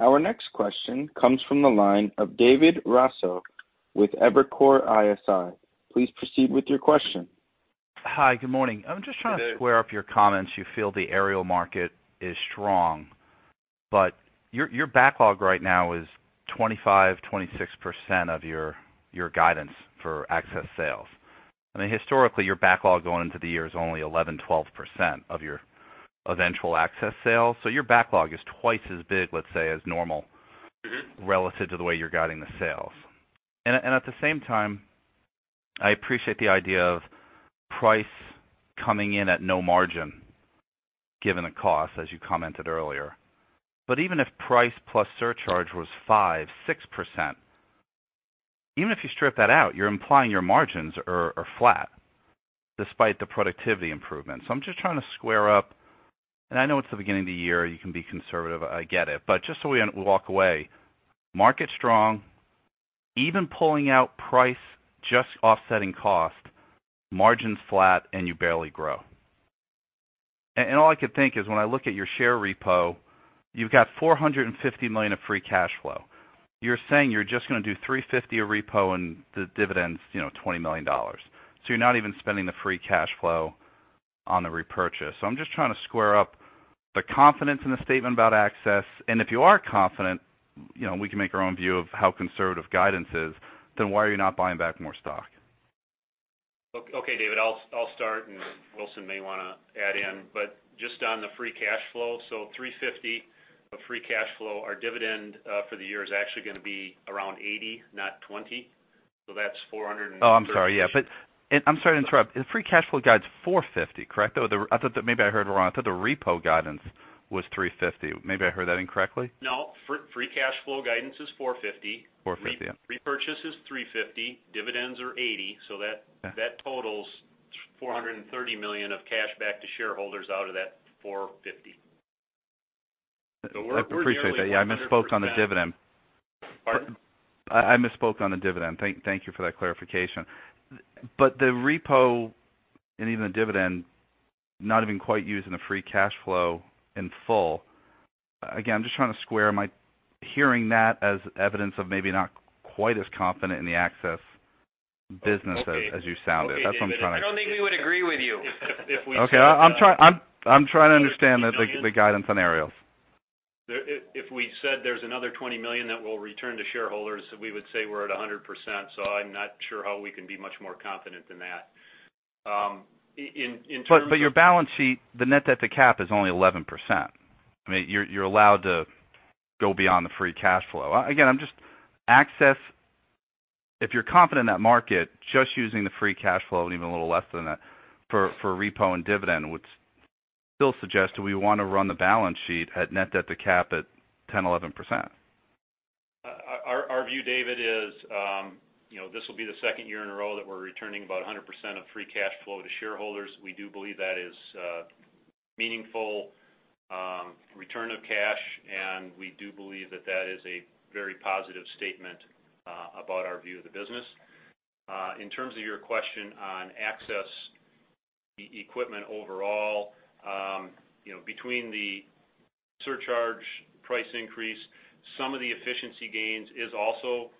Our next question comes from the line of David Raso with Evercore ISI. Please proceed with your question. Hi. Good morning. I'm just trying to square up your comments. You feel the aerial market is strong. But your backlog right now is 25%-26% of your guidance for access sales. I mean, historically, your backlog going into the year is only 11%-12% of your eventual access sales. So your backlog is twice as big, let's say, as normal relative to the way you're guiding the sales. And at the same time, I appreciate the idea of price coming in at no margin given the cost, as you commented earlier. But even if price plus surcharge was 5%-6%, even if you strip that out, you're implying your margins are flat despite the productivity improvements. So I'm just trying to square up. And I know it's the beginning of the year. You can be conservative. I get it. But just so we walk away, market strong, even pulling out price, just offsetting cost, margins flat, and you barely grow. All I could think is when I look at your share repo, you've got $450 million of free cash flow. You're saying you're just going to do $350 million of repo and the dividends, $20 million. So you're not even spending the free cash flow on the repurchase. So I'm just trying to square up the confidence in the statement about access. And if you are confident, we can make our own view of how conservative guidance is, then why are you not buying back more stock? Okay, David. I'll start, and Wilson may want to add in. But just on the free cash flow, so $350 million of free cash flow, our dividend for the year is actually going to be around $80 million, not $20 million. So that's $400 million and something. Oh, I'm sorry. Yeah. And I'm sorry to interrupt. The free cash flow guide's $450 million, correct? I thought that maybe I heard it wrong. I thought the repo guidance was $350 million. Maybe I heard that incorrectly. No. Free cash flow guidance is $450 million. And repurchase is $350 million. Dividends are $80 million. So that totals $430 million of cash back to shareholders out of that $450 million. We're doing well. I appreciate that. Yeah. I misspoke on the dividend. I misspoke on the dividend. Thank you for that clarification. But the repo and even the dividend, not even quite using the free cash flow in full. Again, I'm just trying to square my hearing that as evidence of maybe not quite as confident in the access business as you sounded. That's what I'm trying to. I don't think we would agree with you if we said. Okay. I'm trying to understand the guidance on aerials. If we said there's another $20 million that will return to shareholders, we would say we're at 100%. So I'm not sure how we can be much more confident than that. But your balance sheet, the net debt at the cap is only 11%. I mean, you're allowed to go beyond the free cash flow. Again, I'm just assessing. If you're confident in that market, just using the free cash flow, even a little less than that, for repo and dividend would still suggest that we want to run the balance sheet at net debt at the cap at 10%-11%. Our view, David, is this will be the second year in a row that we're returning about 100% of free cash flow to shareholders. We do believe that is meaningful return of cash, and we do believe that that is a very positive statement about our view of the business. In terms of your question on access equipment overall, between the surcharge price increase, some of the efficiency gains is also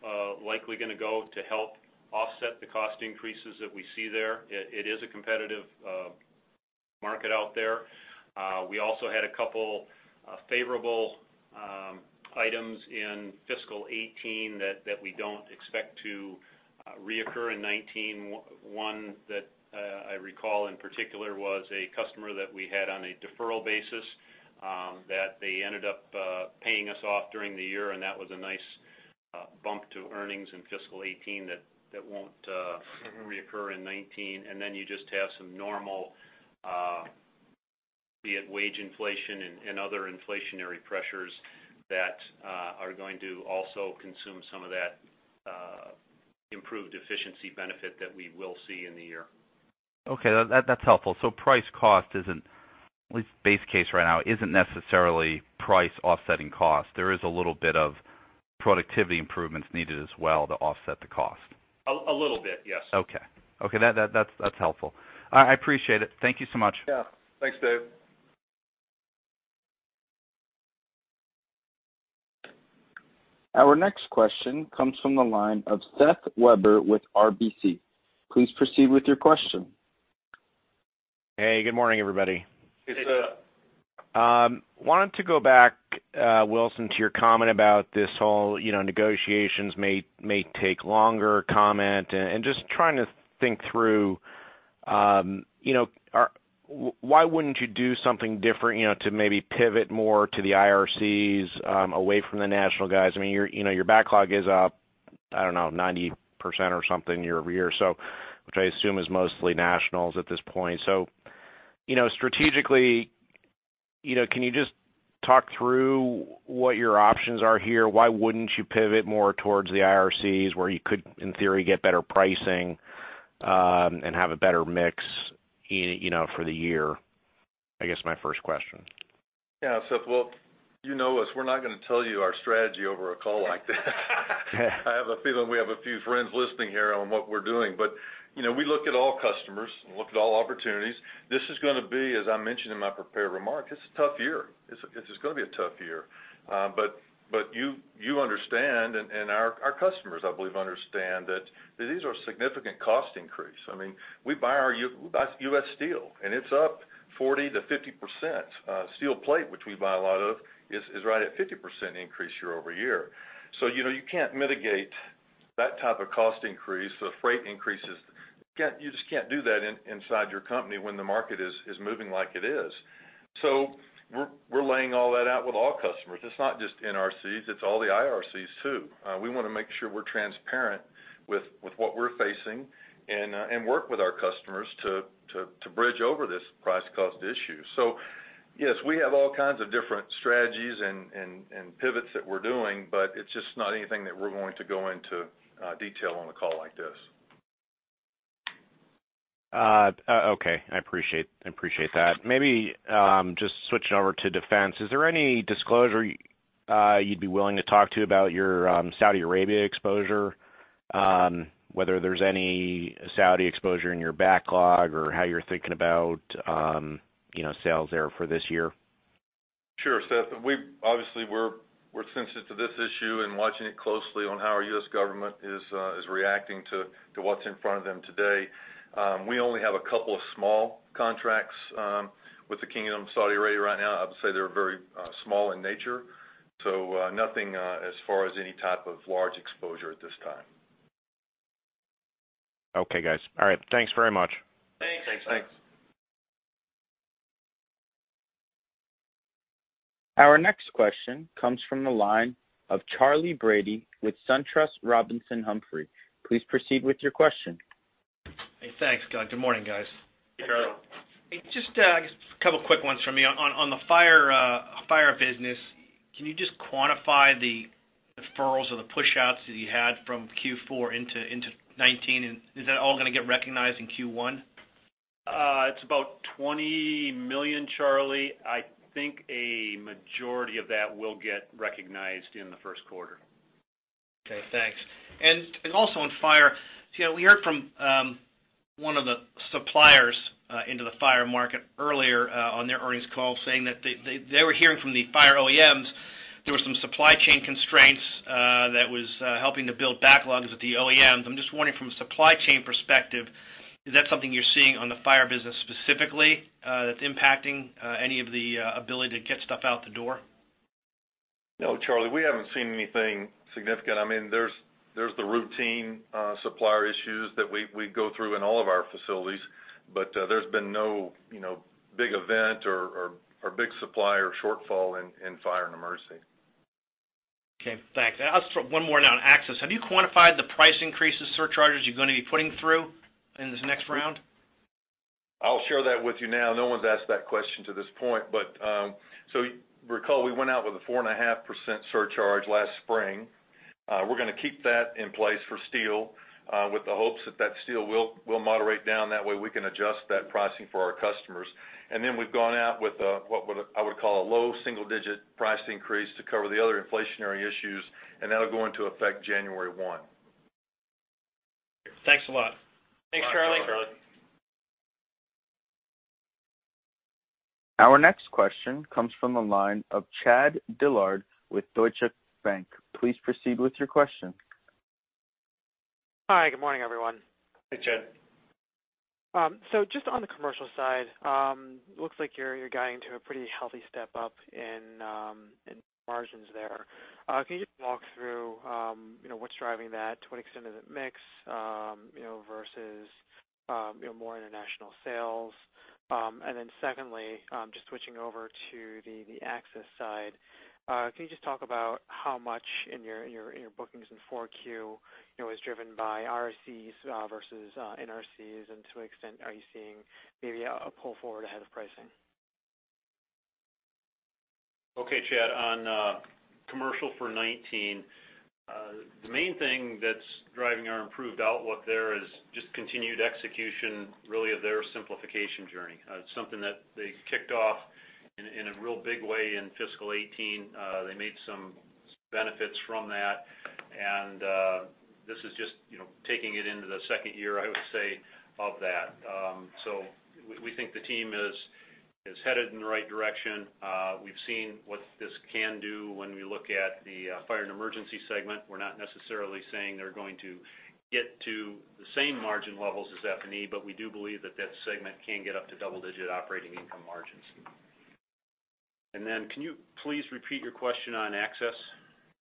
likely going to go to help offset the cost increases that we see there. It is a competitive market out there. We also had a couple of favorable items in fiscal 2018 that we don't expect to reoccur in 2019. One that I recall in particular was a customer that we had on a deferral basis that they ended up paying us off during the year, and that was a nice bump to earnings in fiscal 2018 that won't reoccur in 2019. And then you just have some normal, be it wage inflation and other inflationary pressures that are going to also consume some of that improved efficiency benefit that we will see in the year. Okay. That's helpful. So price cost isn't, at least base case right now, isn't necessarily price offsetting cost. There is a little bit of productivity improvements needed as well to offset the cost. A little bit. Yes. Okay. Okay. That's helpful. I appreciate it. Thank you so much. Yeah. Thanks, Dave. Our next question comes from the line of Seth Weber with RBC. Please proceed with your question. Hey. Good morning, everybody. Hey, Seth. Wanted to go back, Wilson, to your comment about this whole negotiations may take longer comment and just trying to think through why wouldn't you do something different to maybe pivot more to the IRCs away from the national guys? I mean, your backlog is up, I don't know, 90% or something year-over-year, which I assume is mostly nationals at this point. So strategically, can you just talk through what your options are here? Why wouldn't you pivot more towards the IRCs where you could, in theory, get better pricing and have a better mix for the year? I guess my first question. Yeah. Seth, well, you know us. We're not going to tell you our strategy over a call like this. I have a feeling we have a few friends listening here on what we're doing. But we look at all customers and look at all opportunities. This is going to be, as I mentioned in my prepared remarks, it's a tough year. It's going to be a tough year. But you understand, and our customers, I believe, understand that these are significant cost increase. I mean, we buy our U.S. steel, and it's up 40%-50%. Steel plate, which we buy a lot of, is right at 50% increase year-over-year. So you can't mitigate that type of cost increase. The freight increases, you just can't do that inside your company when the market is moving like it is. So we're laying all that out with all customers. It's not just NRCs. It's all the IRCs too. We want to make sure we're transparent with what we're facing and work with our customers to bridge over this price cost issue. So yes, we have all kinds of different strategies and pivots that we're doing, but it's just not anything that we're going to go into detail on a call like this. Okay. I appreciate that. Maybe just switching over to defense. Is there any disclosure you'd be willing to talk to about your Saudi Arabia exposure, whether there's any Saudi exposure in your backlog or how you're thinking about sales there for this year? Sure. Seth, obviously, we're sensitive to this issue and watching it closely on how our U.S. government is reacting to what's in front of them today. We only have a couple of small contracts with the Kingdom of Saudi Arabia right now. I would say they're very small in nature. So nothing as far as any type of large exposure at this time. Okay, guys. All right. Thanks very much. Thanks. Thanks. Thanks. Our next question comes from the line of Charlie Brady with SunTrust Robinson Humphrey. Please proceed with your question. Hey. Thanks, Scott. Good morning, guys. Hey, Charlie. Hey. Just a couple of quick ones from me. On the fire business, can you just quantify the deferrals or the push-outs that you had from Q4 into 2019? Is that all going to get recognized in Q1? It's about $20 million, Charlie. I think a majority of that will get recognized in the first quarter. Okay. Thanks. Also on fire, we heard from one of the suppliers into the fire market earlier on their earnings call saying that they were hearing from the fire OEMs there were some supply chain constraints that was helping to build backlogs with the OEMs. I'm just wondering from a supply chain perspective, is that something you're seeing on the fire business specifically that's impacting any of the ability to get stuff out the door? No, Charlie. We haven't seen anything significant. I mean, there's the routine supplier issues that we go through in all of our facilities, but there's been no big event or big supplier shortfall in fire and emergency. Okay. Thanks. One more now on access. Have you quantified the price increases, surcharges you're going to be putting through in this next round? I'll share that with you now. No one's asked that question to this point. So recall we went out with a 4.5% surcharge last spring. We're going to keep that in place for steel with the hopes that that steel will moderate down. That way, we can adjust that pricing for our customers. And then we've gone out with what I would call a low single-digit price increase to cover the other inflationary issues, and that'll go into effect January 1. Thanks a lot. Thanks, Charlie. Thanks, Charlie. Our next question comes from the line of Chad Dillard with Deutsche Bank. Please proceed with your question. Hi. Good morning, everyone. Hey, Chad. So just on the commercial side, it looks like you're guiding to a pretty healthy step up in margins there. Can you just walk through what's driving that? To what extent is it mix versus more international sales? And then secondly, just switching over to the access side, can you just talk about how much in your bookings in 4Q was driven by IRCs versus NRCs, and to what extent are you seeing maybe a pull forward ahead of pricing? Okay, Chad. On commercial for 2019, the main thing that's driving our improved outlook there is just continued execution, really, of their simplification journey. It's something that they kicked off in a real big way in fiscal 2018. They made some benefits from that, and this is just taking it into the second year, I would say, of that. So we think the team is headed in the right direction. We've seen what this can do when we look at the Fire and Emergency segment. We're not necessarily saying they're going to get to the same margin levels as F&E, but we do believe that that segment can get up to double-digit operating income margins. And then can you please repeat your question on access?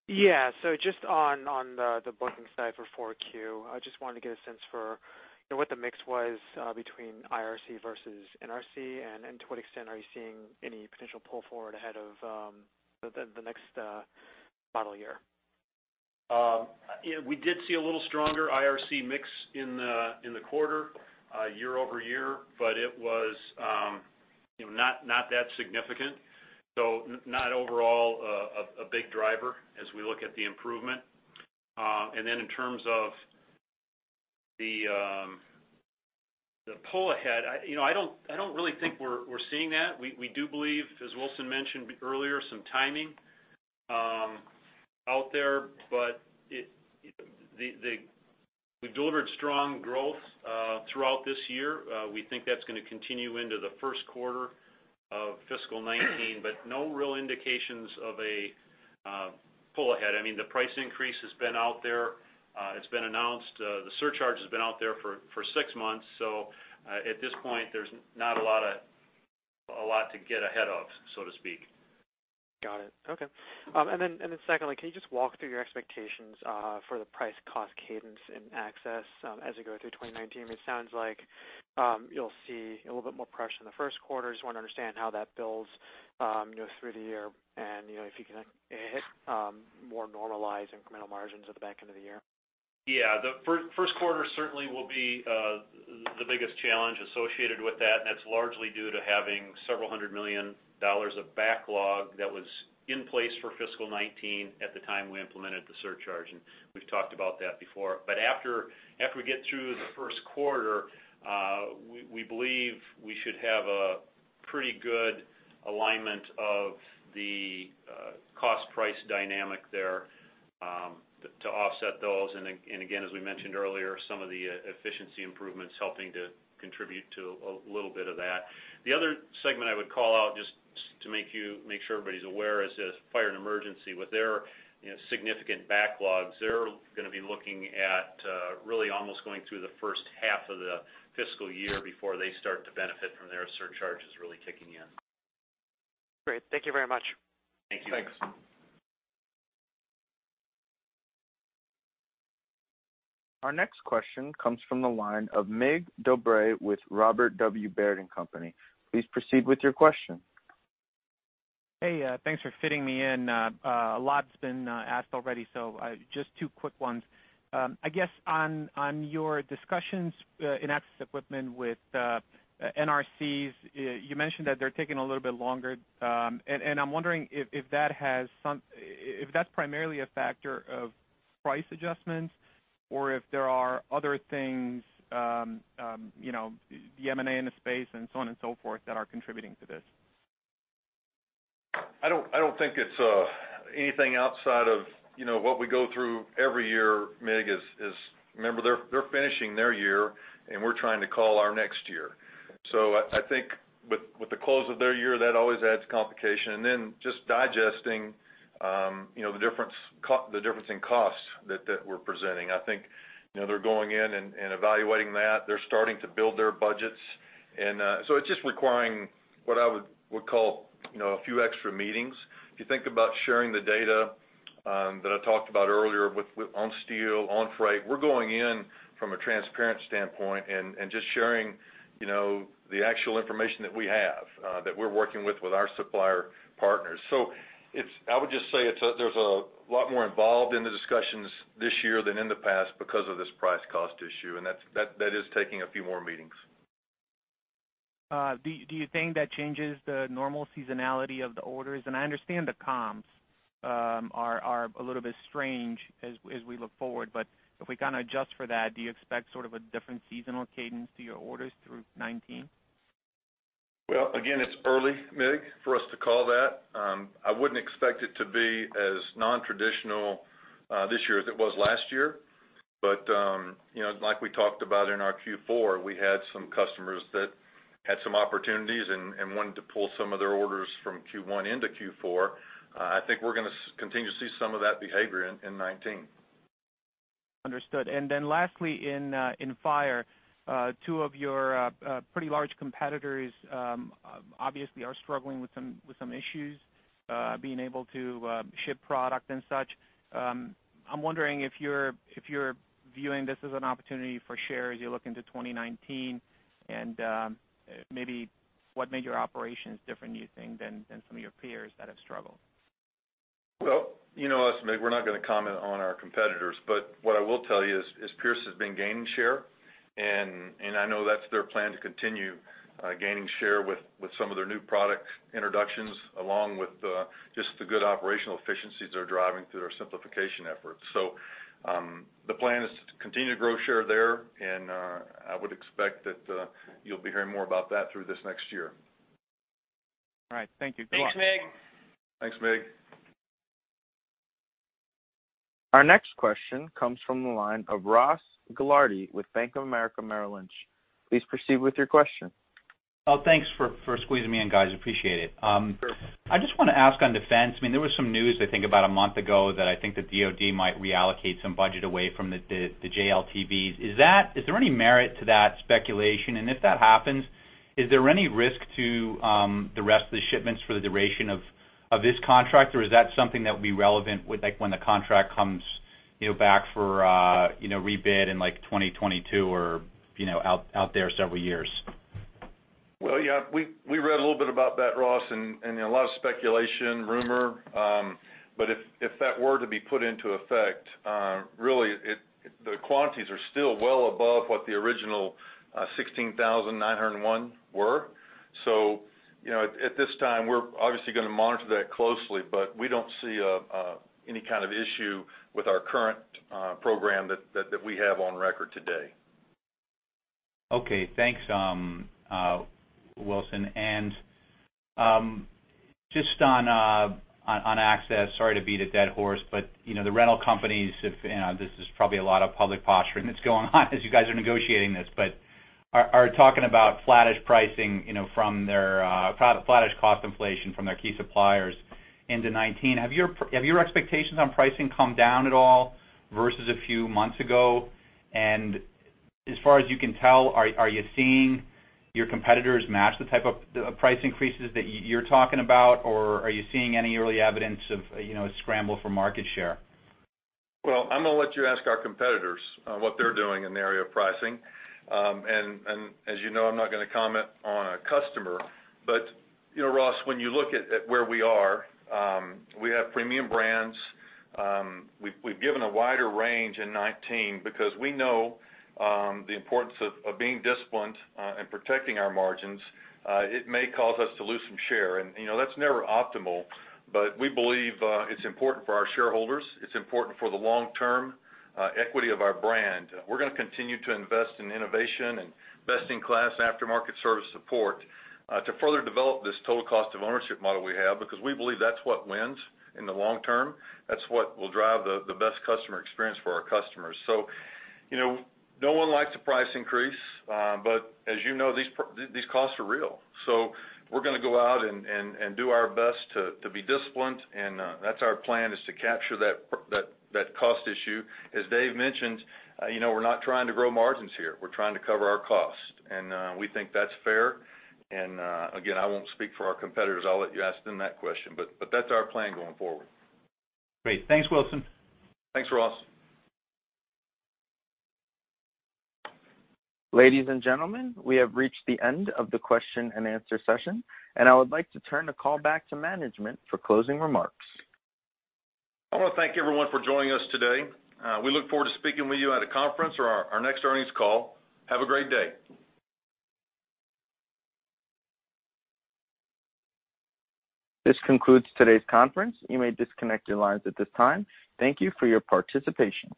Yeah. So just on the booking side for 4Q, I just wanted to get a sense for what the mix was between IRC versus NRC, and to what extent are you seeing any potential pull forward ahead of the next model year? We did see a little stronger IRC mix in the quarter year-over-year, but it was not that significant. So not overall a big driver as we look at the improvement. And then in terms of the pull ahead, I don't really think we're seeing that. We do believe, as Wilson mentioned earlier, some timing out there, but we've delivered strong growth throughout this year. We think that's going to continue into the first quarter of fiscal 2019, but no real indications of a pull ahead. I mean, the price increase has been out there. It's been announced. The surcharge has been out there for six months. So at this point, there's not a lot to get ahead of, so to speak. Got it. Okay. And then secondly, can you just walk through your expectations for the price cost cadence and access as we go through 2019? It sounds like you'll see a little bit more pressure in the first quarter. Just want to understand how that builds through the year and if you can hit more normalized incremental margins at the back end of the year. Yeah. The first quarter certainly will be the biggest challenge associated with that, and that's largely due to having $several hundred million of backlog that was in place for fiscal 2019 at the time we implemented the surcharge. And we've talked about that before. But after we get through the first quarter, we believe we should have a pretty good alignment of the cost-price dynamic there to offset those. And again, as we mentioned earlier, some of the efficiency improvements helping to contribute to a little bit of that. The other segment I would call out just to make sure everybody's aware is this fire and emergency. With their significant backlogs, they're going to be looking at really almost going through the first half of the fiscal year before they start to benefit from their surcharges really kicking in. Great. Thank you very much. Thank you. Thanks. Our next question comes from the line of Mircea Dobre with Robert W. Baird & Company. Please proceed with your question. Hey. Thanks for fitting me in. A lot's been asked already, so just two quick ones. I guess on your discussions in access equipment with NRCs, you mentioned that they're taking a little bit longer. And I'm wondering if that has some if that's primarily a factor of price adjustments or if there are other things, the M&A in the space, and so on and so forth that are contributing to this. I don't think it's anything outside of what we go through every year. Mig is, remember, they're finishing their year, and we're trying to call our next year. So I think with the close of their year, that always adds complication. And then just digesting the difference in cost that we're presenting. I think they're going in and evaluating that. They're starting to build their budgets. And so it's just requiring what I would call a few extra meetings. If you think about sharing the data that I talked about earlier on steel, on freight, we're going in from a transparent standpoint and just sharing the actual information that we have that we're working with our supplier partners. So I would just say there's a lot more involved in the discussions this year than in the past because of this price cost issue, and that is taking a few more meetings. Do you think that changes the normal seasonality of the orders? I understand the comms are a little bit strange as we look forward, but if we kind of adjust for that, do you expect sort of a different seasonal cadence to your orders through 2019? Well, again, it's early, Mig, for us to call that. I wouldn't expect it to be as non-traditional this year as it was last year. But like we talked about in our Q4, we had some customers that had some opportunities and wanted to pull some of their orders from Q1 into Q4. I think we're going to continue to see some of that behavior in 2019. Understood. And then lastly, in fire, two of your pretty large competitors obviously are struggling with some issues being able to ship product and such. I'm wondering if you're viewing this as an opportunity for shares you're looking to 2019 and maybe what made your operations different, you think, than some of your peers that have struggled. Well, you know us, Mig. We're not going to comment on our competitors, but what I will tell you is Pierce has been gaining share, and I know that's their plan to continue gaining share with some of their new product introductions along with just the good operational efficiencies they're driving through their simplification efforts. So the plan is to continue to grow share there, and I would expect that you'll be hearing more about that through this next year. All right. Thank you. Good luck. Thanks, Mig. Thanks, Mig. Our next question comes from the line of Ross Gilardi with Bank of America Merrill Lynch. Please proceed with your question. Oh, thanks for squeezing me in, guys. Appreciate it. I just want to ask on defense. I mean, there was some news, I think, about a month ago that I think the DOD might reallocate some budget away from the JLTVs. Is there any merit to that speculation? And if that happens, is there any risk to the rest of the shipments for the duration of this contract, or is that something that would be relevant when the contract comes back for rebid in 2022 or out there several years? Well, yeah. We read a little bit about that, Ross, and a lot of speculation, rumor. But if that were to be put into effect, really, the quantities are still well above what the original 16,901 were. So at this time, we're obviously going to monitor that closely, but we don't see any kind of issue with our current program that we have on record today. Okay. Thanks, Wilson. And just on access, sorry to beat a dead horse, but the rental companies, and this is probably a lot of public posturing that's going on as you guys are negotiating this, but are talking about flattish pricing from their flattish cost inflation from their key suppliers into 2019. Have your expectations on pricing come down at all versus a few months ago? And as far as you can tell, are you seeing your competitors match the type of price increases that you're talking about, or are you seeing any early evidence of a scramble for market share? Well, I'm going to let you ask our competitors what they're doing in the area of pricing. And as you know, I'm not going to comment on a customer. But Ross, when you look at where we are, we have premium brands. We've given a wider range in 2019 because we know the importance of being disciplined and protecting our margins. It may cause us to lose some share, and that's never optimal, but we believe it's important for our shareholders. It's important for the long-term equity of our brand. We're going to continue to invest in innovation and best-in-class aftermarket service support to further develop this total cost of ownership model we have because we believe that's what wins in the long term. That's what will drive the best customer experience for our customers. So no one likes a price increase, but as you know, these costs are real. So we're going to go out and do our best to be disciplined, and that's our plan, is to capture that cost issue. As Dave mentioned, we're not trying to grow margins here. We're trying to cover our cost, and we think that's fair. Again, I won't speak for our competitors. I'll let you ask them that question, but that's our plan going forward. Great. Thanks, Wilson. Thanks, Ross. Ladies and gentlemen, we have reached the end of the question and answer session, and I would like to turn the call back to management for closing remarks. I want to thank everyone for joining us today. We look forward to speaking with you at a conference or our next earnings call. Have a great day. This concludes today's conference. You may disconnect your lines at this time. Thank you for your participation.